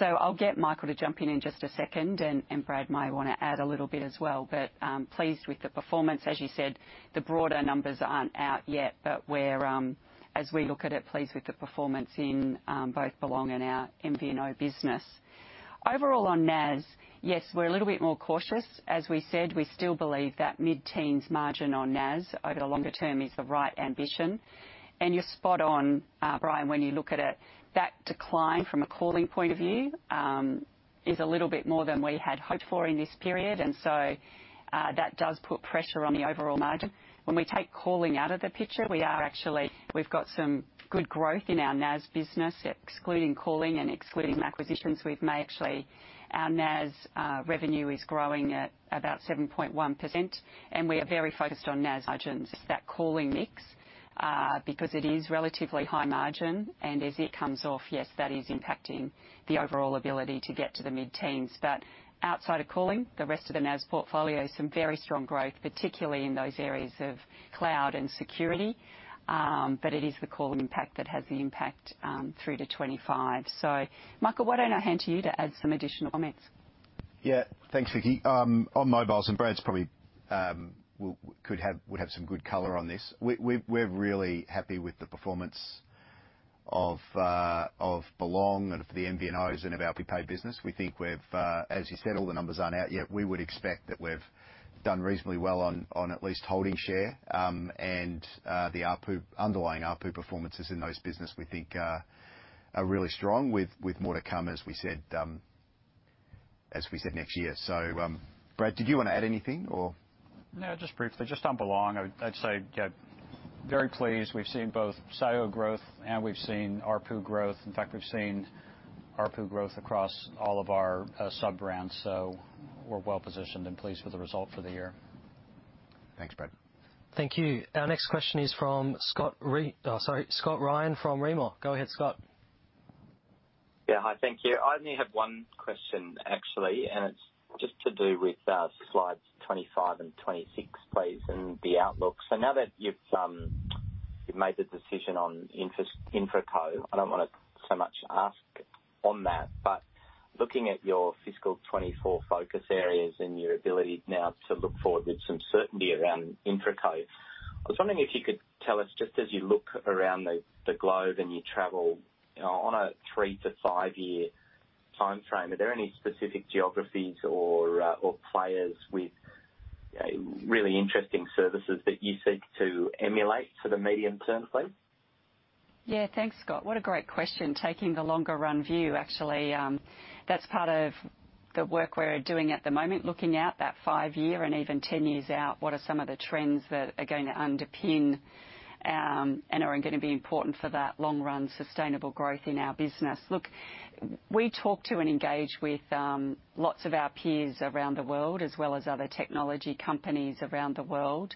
[SPEAKER 1] I'll get Michael to jump in in just a second, and Brad may want to add a little bit as well. Pleased with the performance. As you said, the broader numbers aren't out yet, but we're as we look at it, pleased with the performance in both Belong and our MVNO business. Overall on NAS, yes, we're a little bit more cautious. As we said, we still believe that mid-teens margin on NAS over the longer term is the right ambition. You're spot on, Brian, when you look at it. That decline from a calling point of view is a little bit more than we had hoped for in this period. That does put pressure on the overall margin. When we take calling out of the picture, we are actually we've got some good growth in our NAS business. Excluding calling and excluding acquisitions, our NAS revenue is growing at about 7.1%. We are very focused on NAS margins. It's that calling mix because it is relatively high margin. As it comes off, yes, that is impacting the overall ability to get to the mid-teens. Outside of calling, the rest of the NAS portfolio, some very strong growth, particularly in those areas of cloud and security. It is the calling pack that has the impact through to 25. Michael, why don't I hand to you to add some additional comments?
[SPEAKER 2] Yeah. Thanks, Vicki. On mobiles, Brad probably could have, would have some good color on this, we, we're, we're really happy with the performance of Belong and of the MVNOs and of our prepaid business. We think we've, as you said, all the numbers aren't out yet. We would expect that we've done reasonably well on, on at least holding share. The ARPU, underlying ARPU performances in those business, we think, are really strong, with, with more to come, as we said.... as we said, next year. Brad, did you want to add anything or?
[SPEAKER 9] No, just briefly, just jump along. I'd say, yeah, very pleased. We've seen both CEO growth, and we've seen ARPU growth. In fact, we've seen ARPU growth across all of our sub-brands, so we're well positioned and pleased with the result for the year.
[SPEAKER 2] Thanks, Brad.
[SPEAKER 3] Thank you. Our next question is from Scott, oh, sorry, Scott Ryall from Rimor. Go ahead, Scott.
[SPEAKER 15] Yeah, hi. Thank you. I only have one question, actually, and it's just to do with, slides 25 and 26, please, and the outlook. Now that you've, you've made the decision on InfraCo, I don't want to so much ask on that, but looking at your fiscal 2024 focus areas and your ability now to look forward with some certainty around InfraCo, I was wondering if you could tell us, just as you look around the globe and you travel on a three to five-year timeframe, are there any specific geographies or players with really interesting services that you seek to emulate for the medium term, please?
[SPEAKER 1] Yeah, thanks, Scott. What a great question. Taking the longer run view, actually, that's part of the work we're doing at the moment, looking out that five year and even 10 years out, what are some of the trends that are going to underpin, and are going to be important for that long run, sustainable growth in our business? Look, we talk to and engage with, lots of our peers around the world, as well as other technology companies around the world.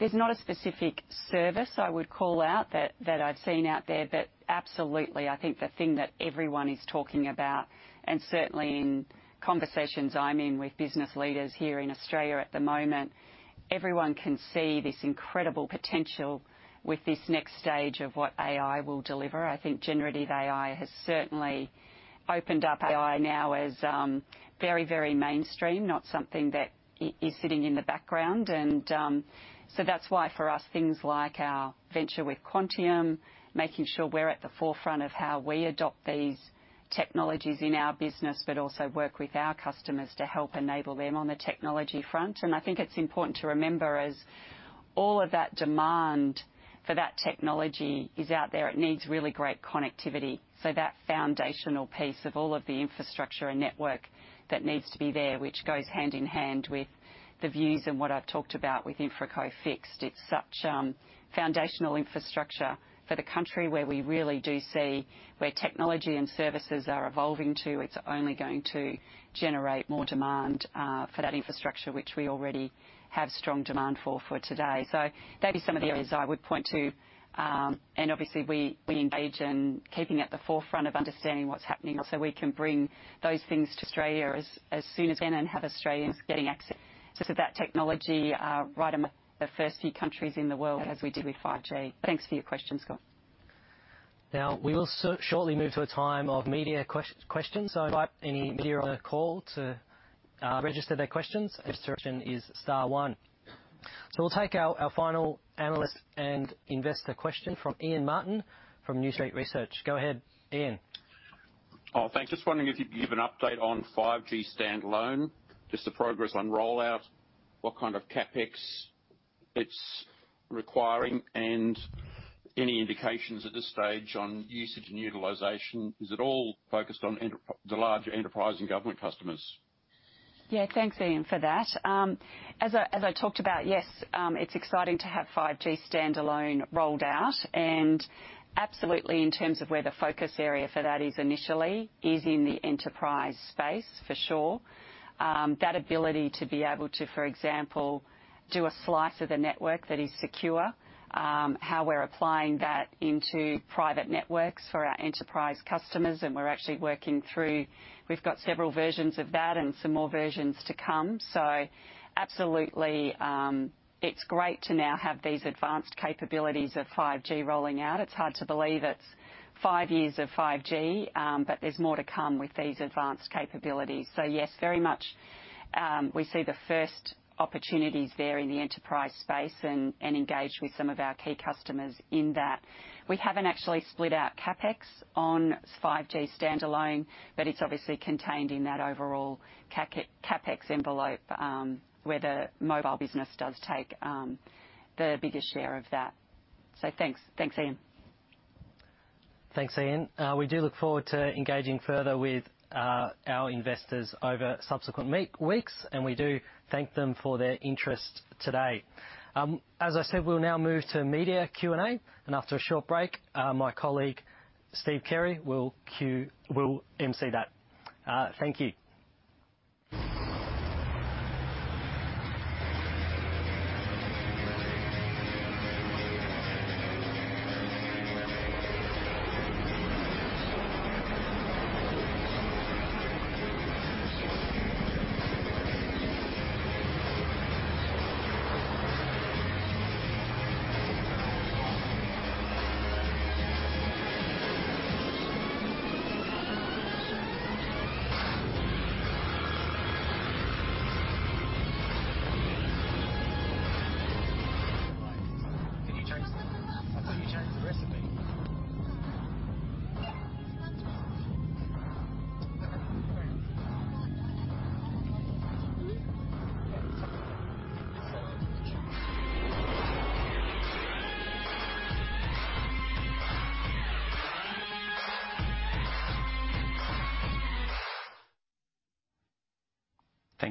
[SPEAKER 1] There's not a specific service I would call out that, that I've seen out there. Absolutely, I think the thing that everyone is talking about, and certainly in conversations I'm in with business leaders here in Australia at the moment, everyone can see this incredible potential with this next stage of what AI will deliver. I think generative AI has certainly opened up AI now as very, very mainstream, not something that is sitting in the background. That's why for us, things like our venture with Quantium, making sure we're at the forefront of how we adopt these technologies in our business, but also work with our customers to help enable them on the technology front. I think it's important to remember, as all of that demand for that technology is out there, it needs really great connectivity. That foundational piece of all of the infrastructure and network that needs to be there, which goes hand in hand with the views and what I've talked about with InfraCo Fixed, it's such foundational infrastructure for the country, where we really do see where technology and services are evolving to. It's only going to generate more demand for that infrastructure, which we already have strong demand for, for today. That is some of the areas I would point to. Obviously, we, we engage in keeping at the forefront of understanding what's happening, so we can bring those things to Australia as soon as. Have Australians getting access to that technology right among the first few countries in the world, as we did with 5G. Thanks for your question, Scott.
[SPEAKER 3] We will shortly move to a time of media questions. Invite any media on the call to register their questions. Registration is star one. We'll take our, our final analyst and investor question from Ian Martin, from New Street Research. Go ahead, Ian.
[SPEAKER 16] Oh, thanks. Just wondering if you could give an update on 5G standalone, just the progress on rollout, what kind of CapEx it's requiring, and any indications at this stage on usage and utilization. Is it all focused on the larger enterprise and government customers?
[SPEAKER 1] Yeah, thanks, Ian, for that. As I, as I talked about, yes, it's exciting to have 5G standalone rolled out. Absolutely, in terms of where the focus area for that is initially, is in the enterprise space for sure. That ability to be able to, for example, do a slice of the network that is secure, how we're applying that into private networks for our enterprise customers, and we're actually working through... We've got several versions of that and some more versions to come. Absolutely, it's great to now have these advanced capabilities of 5G rolling out. It's hard to believe it's five years of 5G, but there's more to come with these advanced capabilities. Yes, very much, we see the first opportunities there in the enterprise space and, and engaged with some of our key customers in that. We haven't actually split out CapEx on 5G standalone, but it's obviously contained in that overall CapEx envelope, where the mobile business does take, the biggest share of that. Thanks. Thanks, Ian.
[SPEAKER 3] Thanks, Ian. We do look forward to engaging further with our investors over subsequent meet- weeks, and we do thank them for their interest today. As I said, we'll now move to media Q&A, and after a short break, my colleague, Steve Carey, will queue- will emcee that. Thank you.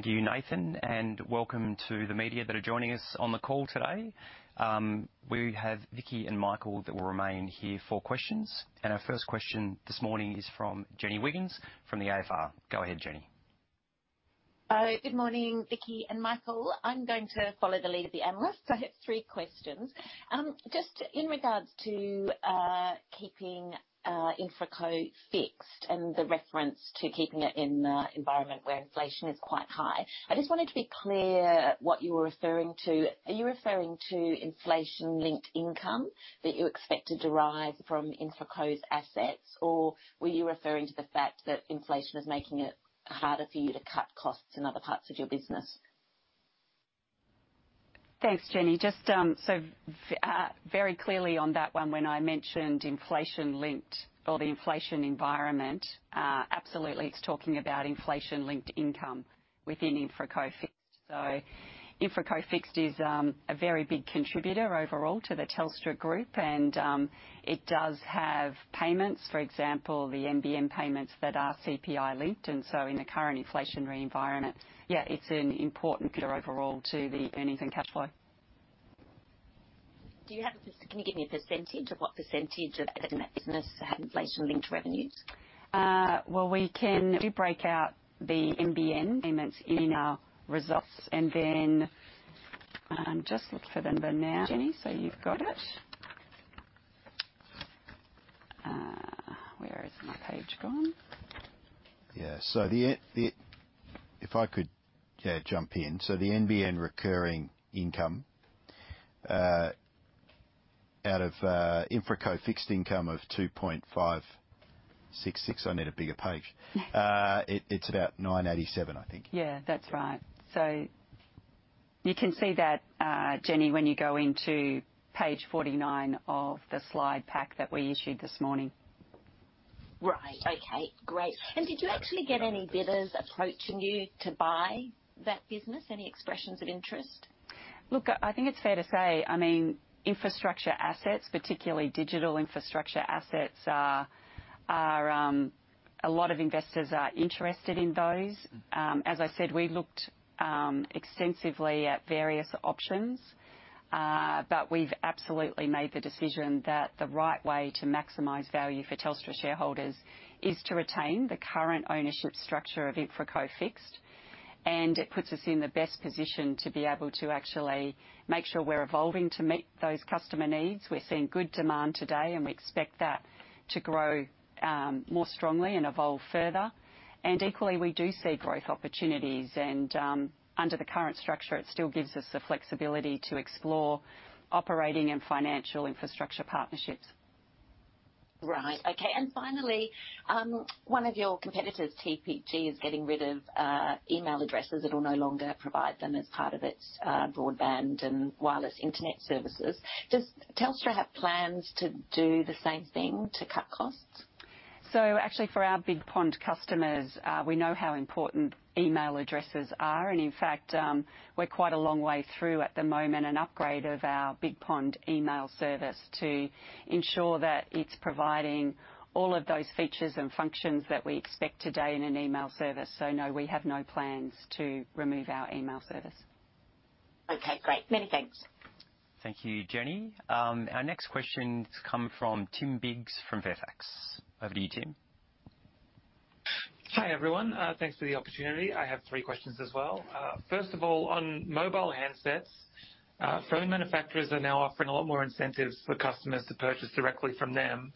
[SPEAKER 2] Can you change the- I thought you changed the recipe?
[SPEAKER 17] Thank you, Nathan, and welcome to the media that are joining us on the call today. We have Vicki and Michael that will remain here for questions. Our first question this morning is from Jenny Wiggins from the AFR. Go ahead, Jenny.
[SPEAKER 18] Good morning, Vicki and Michael. I'm going to follow the lead of the analysts. I have three questions. Just in regards to keeping InfraCo Fixed and the reference to keeping it in an environment where inflation is quite high, I just wanted to be clear what you were referring to. Are you referring to inflation-linked income that you expect to derive from InfraCo's assets? Or were you referring to the fact that inflation is making it harder for you to cut costs in other parts of your business?
[SPEAKER 1] Thanks, Jenny. Just very clearly on that one, when I mentioned inflation-linked or the inflation environment, absolutely it's talking about inflation-linked income within InfraCo Fixed. InfraCo Fixed is a very big contributor overall to the Telstra Group, and it does have payments, for example, the NBN payments that are CPI-linked, in the current inflationary environment, yeah, it's an important pillar overall to the earnings and cash flow.
[SPEAKER 18] Can you give me a percentage of what percentage of that business have inflation-linked revenues?
[SPEAKER 1] Well, we can do breakout the NBN payments in our results, then, I'm just looking for the number now, Jenny, so you've got it. Where has my page gone?
[SPEAKER 2] Yeah. If I could, jump in. The NBN recurring income, out of InfraCo Fixed Income of 2.566. I need a bigger page. It's about 987, I think.
[SPEAKER 1] Yeah, that's right. You can see that, Jenny, when you go into page 49 of the slide pack that we issued this morning.
[SPEAKER 18] Right. Okay, great. Did you actually get any bidders approaching you to buy that business? Any expressions of interest?
[SPEAKER 1] Look, I think it's fair to say, I mean, infrastructure assets, particularly digital infrastructure assets, are, are, a lot of investors are interested in those. As I said, we looked extensively at various options. But we've absolutely made the decision that the right way to maximize value for Telstra shareholders is to retain the current ownership structure of InfraCo Fixed. It puts us in the best position to be able to actually make sure we're evolving to meet those customer needs. We're seeing good demand today, and we expect that to grow, more strongly and evolve further. Equally, we do see growth opportunities, and, under the current structure, it still gives us the flexibility to explore operating and financial infrastructure partnerships.
[SPEAKER 18] Right. Okay. Finally, one of your competitors, TPG, is getting rid of email addresses. It'll no longer provide them as part of its broadband and wireless internet services. Does Telstra have plans to do the same thing to cut costs?
[SPEAKER 1] Actually, for our BigPond customers, we know how important email addresses are, and in fact, we're quite a long way through, at the moment, an upgrade of our BigPond email service to ensure that it's providing all of those features and functions that we expect today in an email service. No, we have no plans to remove our email service.
[SPEAKER 18] Okay, great. Many thanks.
[SPEAKER 17] Thank you, Jenny. Our next question come from Tim Biggs, from Fairfax. Over to you, Tim.
[SPEAKER 19] Hi, everyone. Thanks for the opportunity. I have three questions as well. First of all, on mobile handsets, phone manufacturers are now offering a lot more incentives for customers to purchase directly from them.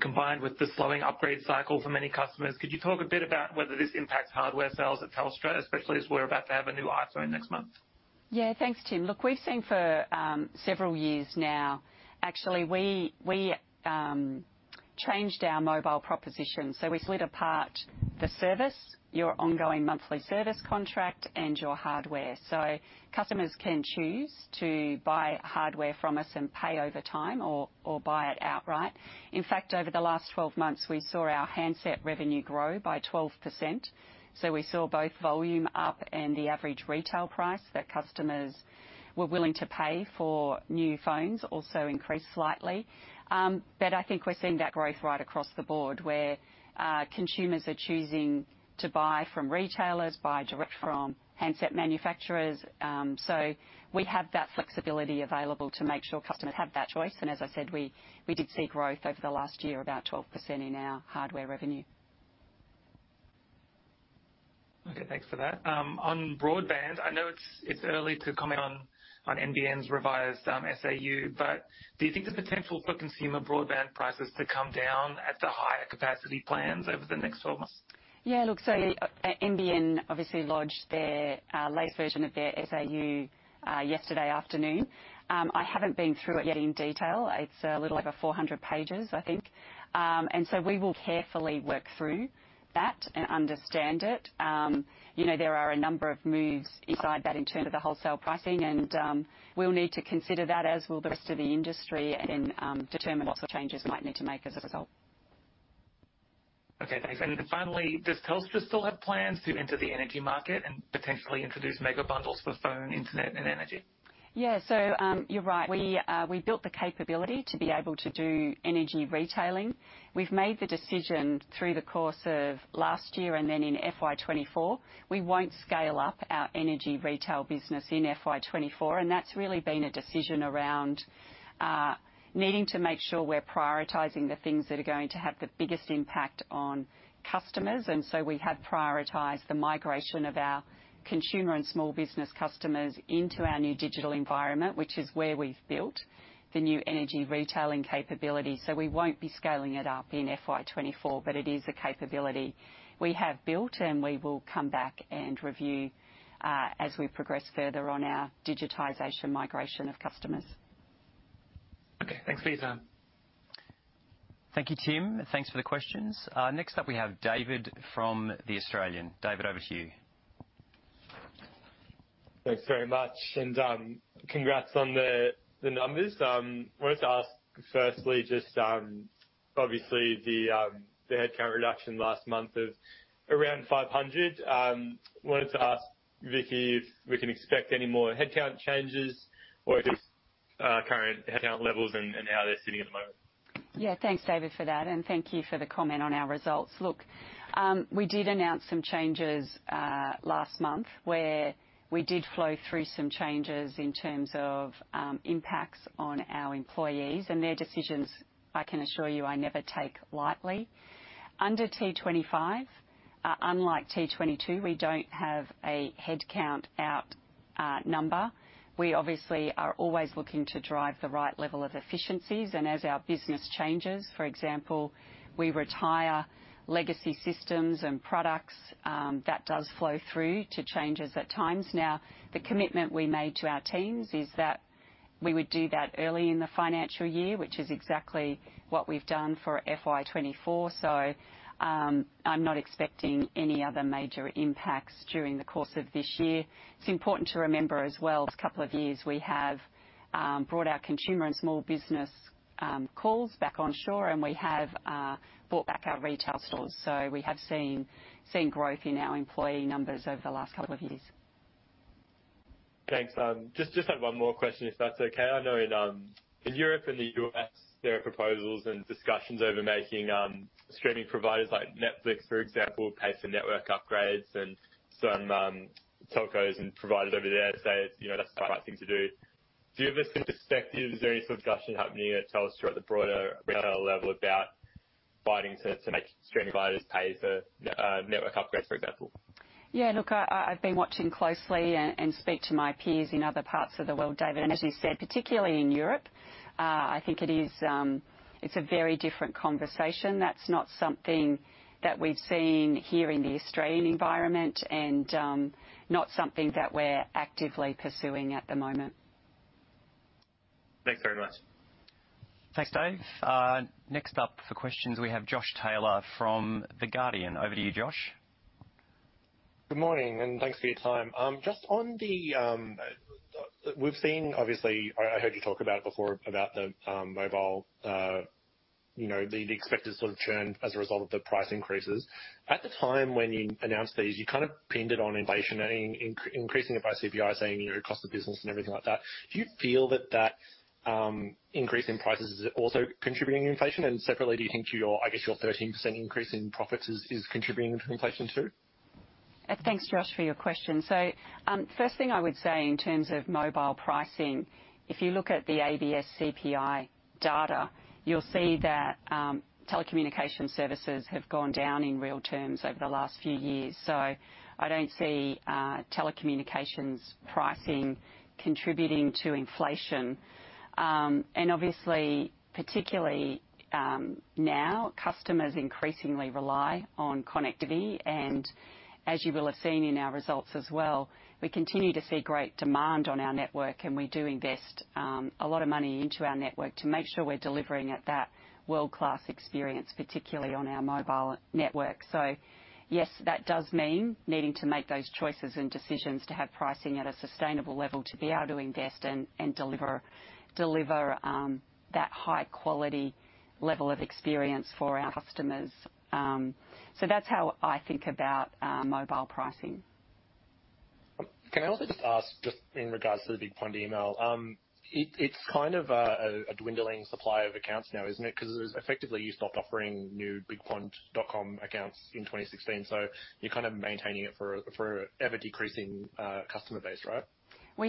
[SPEAKER 19] Combined with the slowing upgrade cycle for many customers, could you talk a bit about whether this impacts hardware sales at Telstra, especially as we're about to have a new iPhone next month?
[SPEAKER 1] Yeah. Thanks, Tim. Look, we've seen for several years now. Actually, we, we changed our mobile proposition. We split apart the service, your ongoing monthly service contract, and your hardware. Customers can choose to buy hardware from us and pay over time or, or buy it outright. In fact, over the last 12 months, we saw our handset revenue grow by 12%. We saw both volume up and the average retail price that customers were willing to pay for new phones also increased slightly. But I think we're seeing that growth right across the board, where consumers are choosing to buy from retailers, buy direct from handset manufacturers. We have that flexibility available to make sure customers have that choice. As I said, we, we did see growth over the last year, about 12% in our hardware revenue.
[SPEAKER 19] Okay, thanks for that. On broadband, I know it's, it's early to comment on, on NBN's revised SAU, but do you think there's potential for consumer broadband prices to come down at the higher capacity plans over the next 12 months?
[SPEAKER 1] Yeah, look, NBN obviously lodged their latest version of their SAU yesterday afternoon. I haven't been through it yet in detail. It's a little over 400 pages, I think. We will carefully work through that and understand it. You know, there are a number of moves inside that in terms of the wholesale pricing, we'll need to consider that, as will the rest of the industry, determine what sort of changes we might need to make as a result.
[SPEAKER 19] Okay, thanks. Finally, does Telstra still have plans to enter the energy market and potentially introduce mega bundles for phone, internet, and energy?
[SPEAKER 1] Yeah, you're right. We built the capability to be able to do energy retailing. We've made the decision through the course of last year, and then in FY 2024, we won't scale up our energy retail business in FY 2024, and that's really been a decision around needing to make sure we're prioritizing the things that are going to have the biggest impact on customers. We have prioritized the migration of our consumer and small business customers into our new digital environment, which is where we've built the new energy retailing capability. We won't be scaling it up in FY 2024, but it is a capability we have built, and we will come back and review as we progress further on our digitization migration of customers.
[SPEAKER 19] Okay. Thanks for your time.
[SPEAKER 17] Thank you, Tim. Thanks for the questions. Next up, we have David from The Australian. David, over to you.
[SPEAKER 20] Thanks very much. Congrats on the numbers. Wanted to ask, firstly, just, obviously the headcount reduction last month of around 500. Wanted to ask Vicki if we can expect any more headcount changes or just current headcount levels and how they're sitting at the moment.
[SPEAKER 1] Yeah, thanks, David, for that, and thank you for the comment on our results. Look, we did announce some changes last month, where we did flow through some changes in terms of impacts on our employees. They're decisions, I can assure you, I never take lightly. Under T25, unlike T22, we don't have a headcount out number. We obviously are always looking to drive the right level of efficiencies, and as our business changes, for example, we retire legacy systems and products, that does flow through to changes at times. The commitment we made to our teams is that we would do that early in the financial year, which is exactly what we've done for FY 2024. I'm not expecting any other major impacts during the course of this year. It's important to remember as well, the last couple of years, we have brought our consumer and small business calls back onshore, and we have brought back our retail stores. We have seen growth in our employee numbers over the last couple of years.
[SPEAKER 20] Thanks. Had one more question, if that's okay. I know in Europe and the U.S., there are proposals and discussions over making streaming providers like Netflix, for example, pay for network upgrades and certain telcos and providers over there say, you know, that's the right thing to do. Do you have a different perspective? Is there any sort of discussion happening at Telstra at the broader retail level about fighting to make streaming providers pay for network upgrades, for example?
[SPEAKER 1] Yeah, look, I, I've been watching closely and, and speak to my peers in other parts of the world, David, and as you said, particularly in Europe. I think it is... it's a very different conversation. That's not something that we've seen here in the Australian environment and not something that we're actively pursuing at the moment.
[SPEAKER 20] Thanks very much.
[SPEAKER 17] Thanks, Dave. Next up for questions, we have Josh Taylor from The Guardian. Over to you, Josh.
[SPEAKER 21] Good morning, and thanks for your time. Just on the, we've seen, obviously, I, I heard you talk about it before, about the mobile, you know, the, the expected sort of churn as a result of the price increases. At the time when you announced these, you kind of pinned it on inflation and increasing it by CPI, saying, you know, cost of business and everything like that. Do you feel that that increase in prices is also contributing to inflation? Separately, do you think your, I guess, your 13% increase in profits is, is contributing to inflation, too?
[SPEAKER 1] Thanks, Josh, for your question. First thing I would say in terms of mobile pricing, if you look at the ABS CPI data, you'll see that telecommunication services have gone down in real terms over the last few years. I don't see telecommunications pricing contributing to inflation. And obviously, particularly, now, customers increasingly rely on connectivity, and as you will have seen in our results as well, we continue to see great demand on our network, and we do invest a lot of money into our network to make sure we're delivering at that world-class experience, particularly on our mobile network. Yes, that does mean needing to make those choices and decisions to have pricing at a sustainable level, to be able to invest and, and deliver, deliver that high-quality level of experience for our customers. That's how I think about mobile pricing.
[SPEAKER 21] Can I also just ask, just in regards to the BigPond email? It's kind of a dwindling supply of accounts now, isn't it? 'Cause effectively, you stopped offering new BigPond.com accounts in 2016, so you're kind of maintaining it for, for an ever-decreasing customer base, right?
[SPEAKER 1] We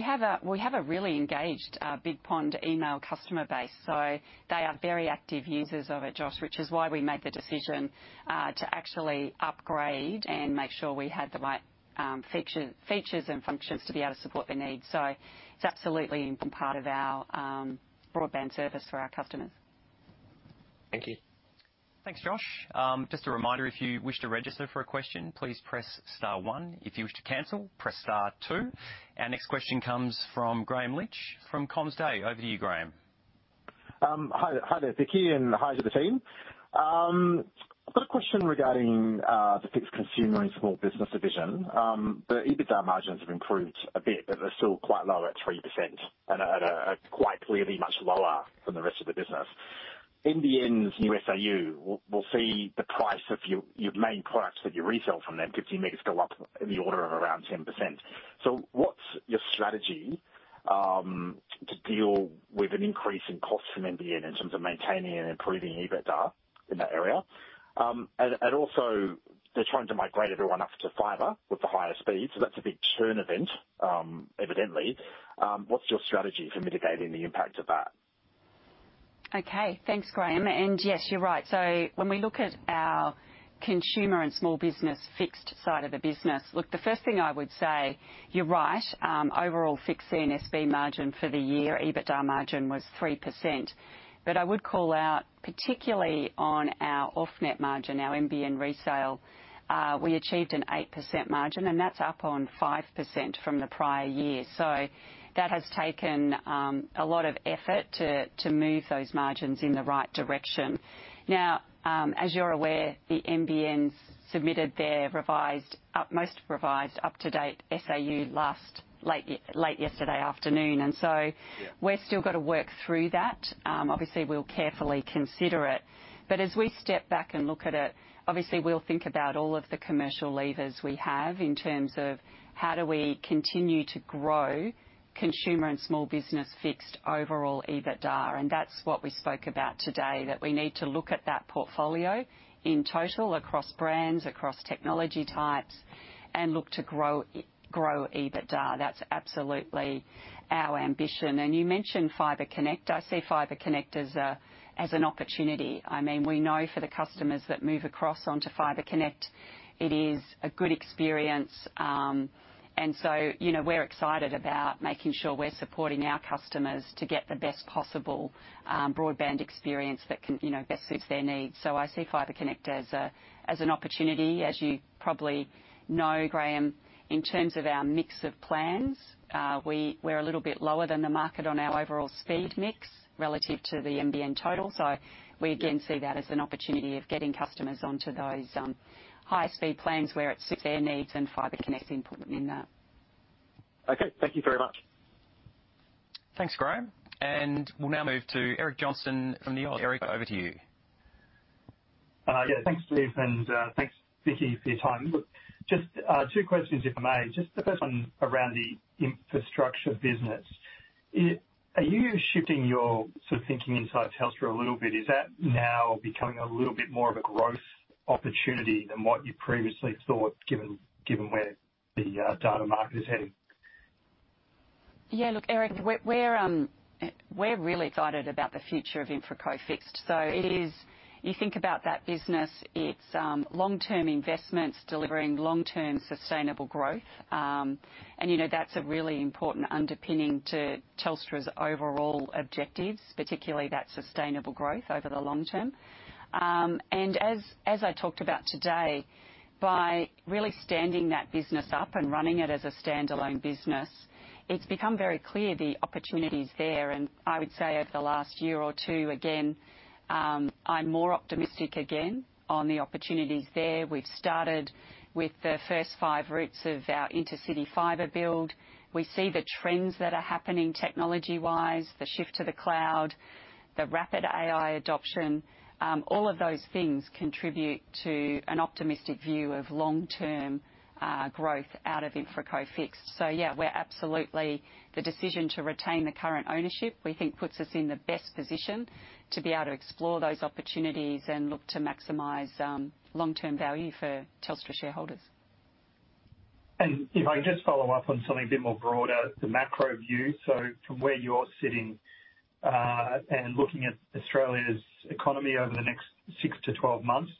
[SPEAKER 1] have a, we have a really engaged, BigPond email customer base, so they are very active users of it, Josh, which is why we made the decision to actually upgrade and make sure we had the right, feature, features and functions to be able to support their needs. It's absolutely part of our, broadband service for our customers.
[SPEAKER 21] Thank you.
[SPEAKER 17] Thanks, Josh. Just a reminder, if you wish to register for a question, please press star one. If you wish to cancel, press star two. Our next question comes from Graham Lynch from CommsDay. Over to you, Graham.
[SPEAKER 22] Hi there. Hi there, Vicki, and hi to the team. I've got a question regarding the Fixed consumer and small business division. The EBITDA margins have improved a bit, but they're still quite low at 3% and at a quite clearly much lower than the rest of the business. NBN's new SAU will, will see the price of your, your main products that you resell from them, 50 megs go up in the order of around 10%. What's your strategy to deal with an increase in costs from NBN in terms of maintaining and improving EBITDA in that area? Also, they're trying to migrate everyone up to fibre with the higher speeds, that's a big churn event evidently. What's your strategy for mitigating the impact of that?
[SPEAKER 1] Okay, thanks, Graham, and yes, you're right. When we look at our Consumer and Small Business Fixed side of the business, look, the first thing I would say, you're right. Overall, Fixed CNSB margin for the year, EBITDA margin was 3%. I would call out, particularly on our off-net margin, our NBN resale, we achieved an 8% margin, and that's up on 5% from the prior year. That has taken a lot of effort to, to move those margins in the right direction. Now, as you're aware, the NBN's submitted their revised up- most revised up-to-date SAU last late, late yesterday afternoon.
[SPEAKER 22] Yeah.
[SPEAKER 1] we've still got to work through that. Obviously, we'll carefully consider it. As we step back and look at it, obviously, we'll think about all of the commercial levers we have in terms of how do we continue to grow consumer and small business Fixed overall EBITDA. That's what we spoke about today, that we need to look at that portfolio in total across brands, across technology types, and look to grow, grow EBITDA. That's absolutely our ambition. You mentioned Telstra Fibre. I see Telstra Fibre as a, as an opportunity. I mean, we know for the customers that move across onto Telstra Fibre, it is a good experience. And so, you know, we're excited about making sure we're supporting our customers to get the best possible broadband experience that can, you know, best suits their needs. I see Telstra Fibre as an opportunity. As you probably know, Graham, in terms of our mix of plans, we're a little bit lower than the market on our overall speed mix relative to the NBN total. We again see that as an opportunity of getting customers onto those higher speed plans where it suits their needs, and Telstra Fibre is important in that.
[SPEAKER 22] Okay, thank you very much.
[SPEAKER 17] Thanks, Graham. We'll now move to Eric Johnston from [New York]. Eric, over to you.
[SPEAKER 23] Yeah, thanks, Steve, and thanks, Vicki, for your time. Look, just two questions, if I may. Just the first one around the infrastructure business. Are you shifting your sort of thinking inside Telstra a little bit? Is that now becoming a little bit more of a growth opportunity than what you previously thought, given, given where the data market is heading?
[SPEAKER 1] Yeah, look, Eric, we're, we're, we're really excited about the future of InfraCo Fixed. It is... You think about that business, it's long-term investments, delivering long-term sustainable growth. You know, that's a really important underpinning to Telstra's overall objectives, particularly that sustainable growth over the long term. As, as I talked about today, by really standing that business up and running it as a standalone business, it's become very clear the opportunities there. I would say over the last year or two, again, I'm more optimistic again on the opportunities there. We've started with the first five routes of our intercity fibre build. We see the trends that are happening technology-wise, the shift to the cloud, the rapid AI adoption. All of those things contribute to an optimistic view of long-term growth out of InfraCo Fixed. Yeah, we're absolutely... The decision to retain the current ownership, we think, puts us in the best position to be able to explore those opportunities and look to maximize long-term value for Telstra shareholders.
[SPEAKER 23] If I can just follow up on something a bit more broader, the macro view. From where you're sitting, and looking at Australia's economy over the next six to 12 months,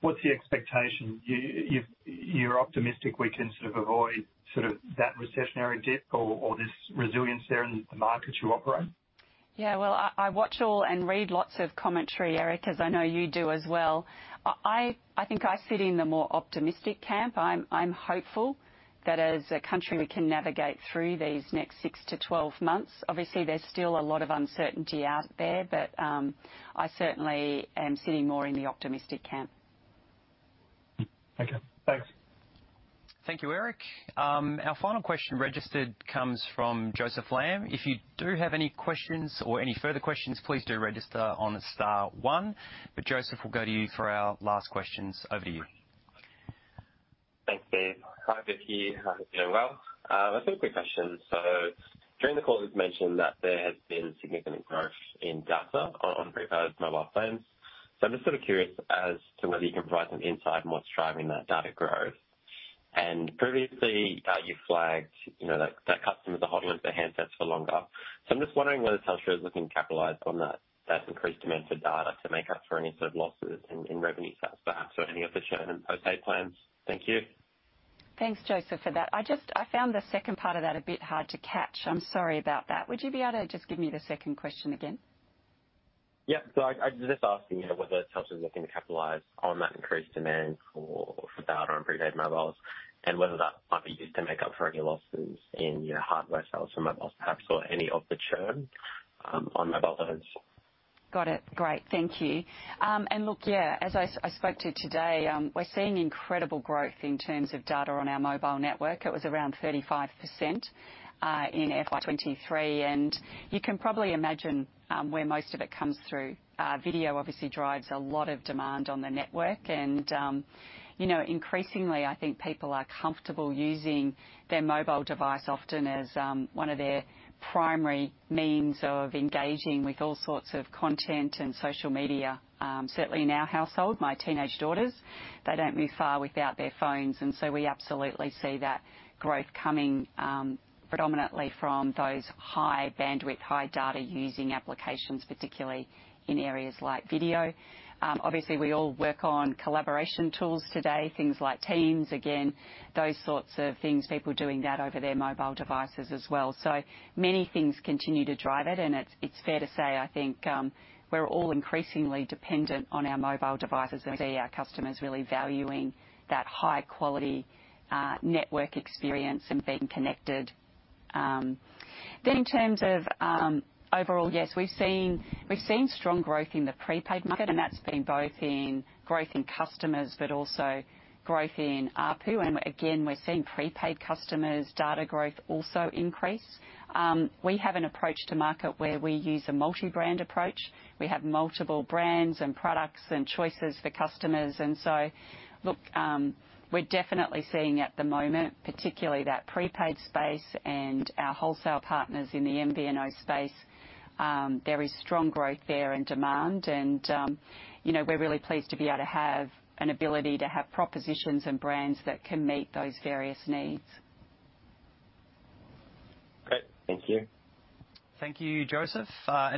[SPEAKER 23] what's the expectation? You're optimistic we can sort of avoid sort of that recessionary dip or this resilience there in the market you operate?
[SPEAKER 1] Yeah, well, I, I watch all and read lots of commentary, Eric, as I know you do as well. I, I, I think I sit in the more optimistic camp. I'm, I'm hopeful that as a country, we can navigate through these next six to 12 months. Obviously, there's still a lot of uncertainty out there, but I certainly am sitting more in the optimistic camp.
[SPEAKER 23] Okay. Thanks.
[SPEAKER 17] Thank you, Eric. Our final question registered comes from [Joseph Lamb]. If you do have any questions or any further questions, please do register on star one, Joseph, we'll go to you for our last questions. Over to you.
[SPEAKER 24] Thanks, Steve. Hi, Vicki. I hope you're well. I've just a quick question. During the call, you've mentioned that there has been significant growth in data on prepaid mobile phones. I'm just sort of curious as to whether you can provide some insight on what's driving that data growth. Previously, you flagged, you know, that, that customers are holding their handsets for longer. I'm just wondering whether Telstra is looking to capitalize on that, that increased demand for data to make up for any sort of losses in, in revenue sales for perhaps or any of the churn post-paid plans. Thank you.
[SPEAKER 1] Thanks, Joseph, for that. I found the second part of that a bit hard to catch. I'm sorry about that. Would you be able to just give me the second question again?
[SPEAKER 24] Yeah. I, I was just asking, you know, whether Telstra is looking to capitalize on that increased demand for, for data on prepaid mobiles, and whether that might be used to make up for any losses in, you know, hardware sales for mobiles, perhaps, or any of the churn on mobile phones?
[SPEAKER 1] Got it. Great. Thank you. Look, yeah, as I, I spoke to you today, we're seeing incredible growth in terms of data on our mobile network. It was around 35% in FY 2023, and you can probably imagine where most of it comes through. Video obviously drives a lot of demand on the network, and, you know, increasingly, I think people are comfortable using their mobile device often as one of their primary means of engaging with all sorts of content and social media. Certainly in our household, my teenage daughters, they don't move far without their phones, and so we absolutely see that growth coming predominantly from those high bandwidth, high data using applications, particularly in areas like video. Obviously, we all work on collaboration tools today, things like Teams. Those sorts of things, people doing that over their mobile devices as well. Many things continue to drive it, and it's, it's fair to say, I think, we're all increasingly dependent on our mobile devices, and we see our customers really valuing that high quality network experience and being connected. In terms of overall, yes, we've seen, we've seen strong growth in the prepaid market, that's been both in growth in customers but also growth in ARPU. Again, we're seeing prepaid customers' data growth also increase. We have an approach to market where we use a multi-brand approach. We have multiple brands and products and choices for customers. Look, we're definitely seeing at the moment, particularly that prepaid space and our wholesale partners in the MVNO space, there is strong growth there and demand, and, you know, we're really pleased to be able to have an ability to have propositions and brands that can meet those various needs.
[SPEAKER 24] Great. Thank you.
[SPEAKER 17] Thank you, Joseph,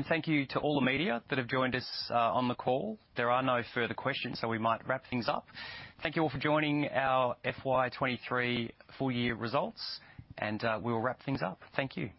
[SPEAKER 17] thank you to all the media that have joined us on the call. There are no further questions, we might wrap things up. Thank you all for joining our FY 2023 full year results, we will wrap things up. Thank you.